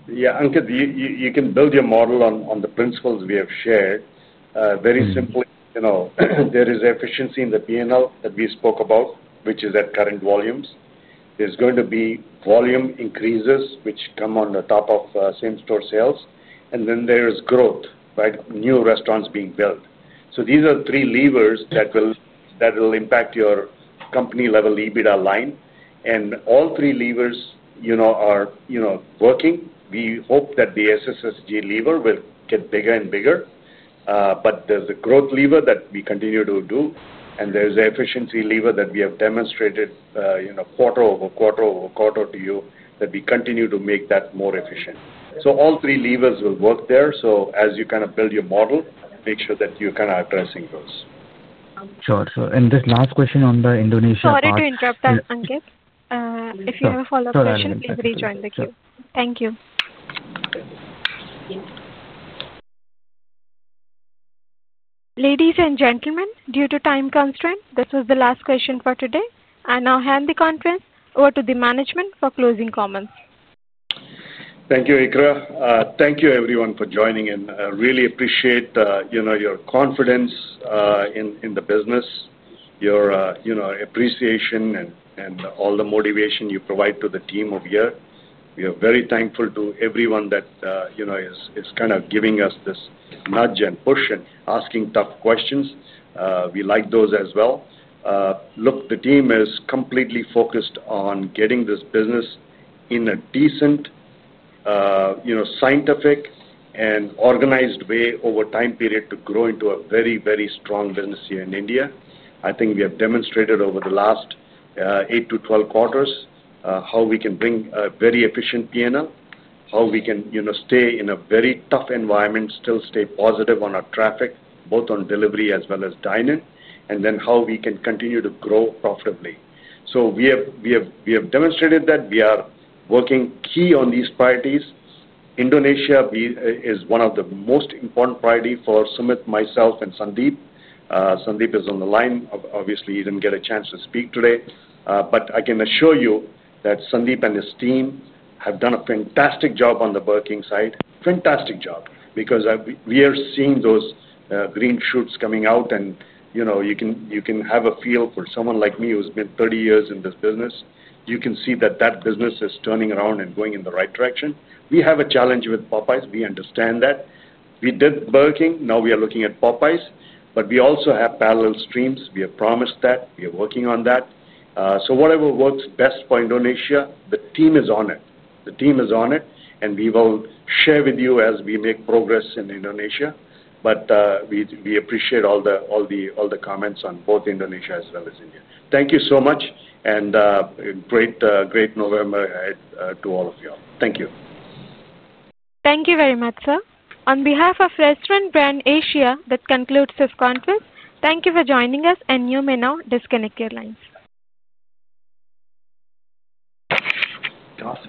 Yeah. Ankit, you can build your model on the principles we have shared. Very simply, there is efficiency in the P&L that we spoke about, which is at current volumes. There is going to be volume increases which come on the top of same-store sales. There is growth, right? New restaurants being built. These are three levers that will impact your company-level EBITDA line, and all three levers are working. We hope that the SSSG lever will get bigger and bigger. There is a growth lever that we continue to do, and there is an efficiency lever that we have demonstrated quarter over quarter over quarter to you, that we continue to make that more efficient. All three levers will work there. As you kind of build your model, make sure that you're kind of addressing those. Sure. Sure. This last question on the Indonesia— Sorry to interrupt, Ankit. If you have a follow-up question, please rejoin the queue. Thank you. Ladies and gentlemen, due to time constraints, this was the last question for today. I now hand the conference over to the management for closing comments. Thank you, Ikra. Thank you, everyone, for joining. I really appreciate your confidence in the business, your appreciation, and all the motivation you provide to the team here. We are very thankful to everyone that is kind of giving us this nudge and push and asking tough questions. We like those as well. Look, the team is completely focused on getting this business in a decent, scientific, and organized way over time period to grow into a very, very strong business here in India. I think we have demonstrated over the last 8-12 quarters how we can bring a very efficient P&L, how we can stay in a very tough environment, still stay positive on our traffic, both on delivery as well as dine-in, and then how we can continue to grow profitably. We have demonstrated that we are working key on these priorities. Indonesia is one of the most important priorities for Sumit, myself, and Sandeep. Sandeep is on the line. Obviously, he didn't get a chance to speak today. I can assure you that Sandeep and his team have done a fantastic job on the Burger King side. Fantastic job, because we are seeing those green shoots coming out. You can have a feel for someone like me who's been 30 years in this business. You can see that that business is turning around and going in the right direction. We have a challenge with Popeyes. We understand that. We did Burger King. Now we are looking at Popeyes. We also have parallel streams. We have promised that. We are working on that. Whatever works best for Indonesia, the team is on it. The team is on it, and we will share with you as we make progress in Indonesia. We appreciate all the comments on both Indonesia as well as India. Thank you so much. Great November to all of y'all. Thank you. Thank you very much, sir. On behalf of Restaurant Brands Asia, that concludes this conference. Thank you for joining us. You may now disconnect your lines. Thanks.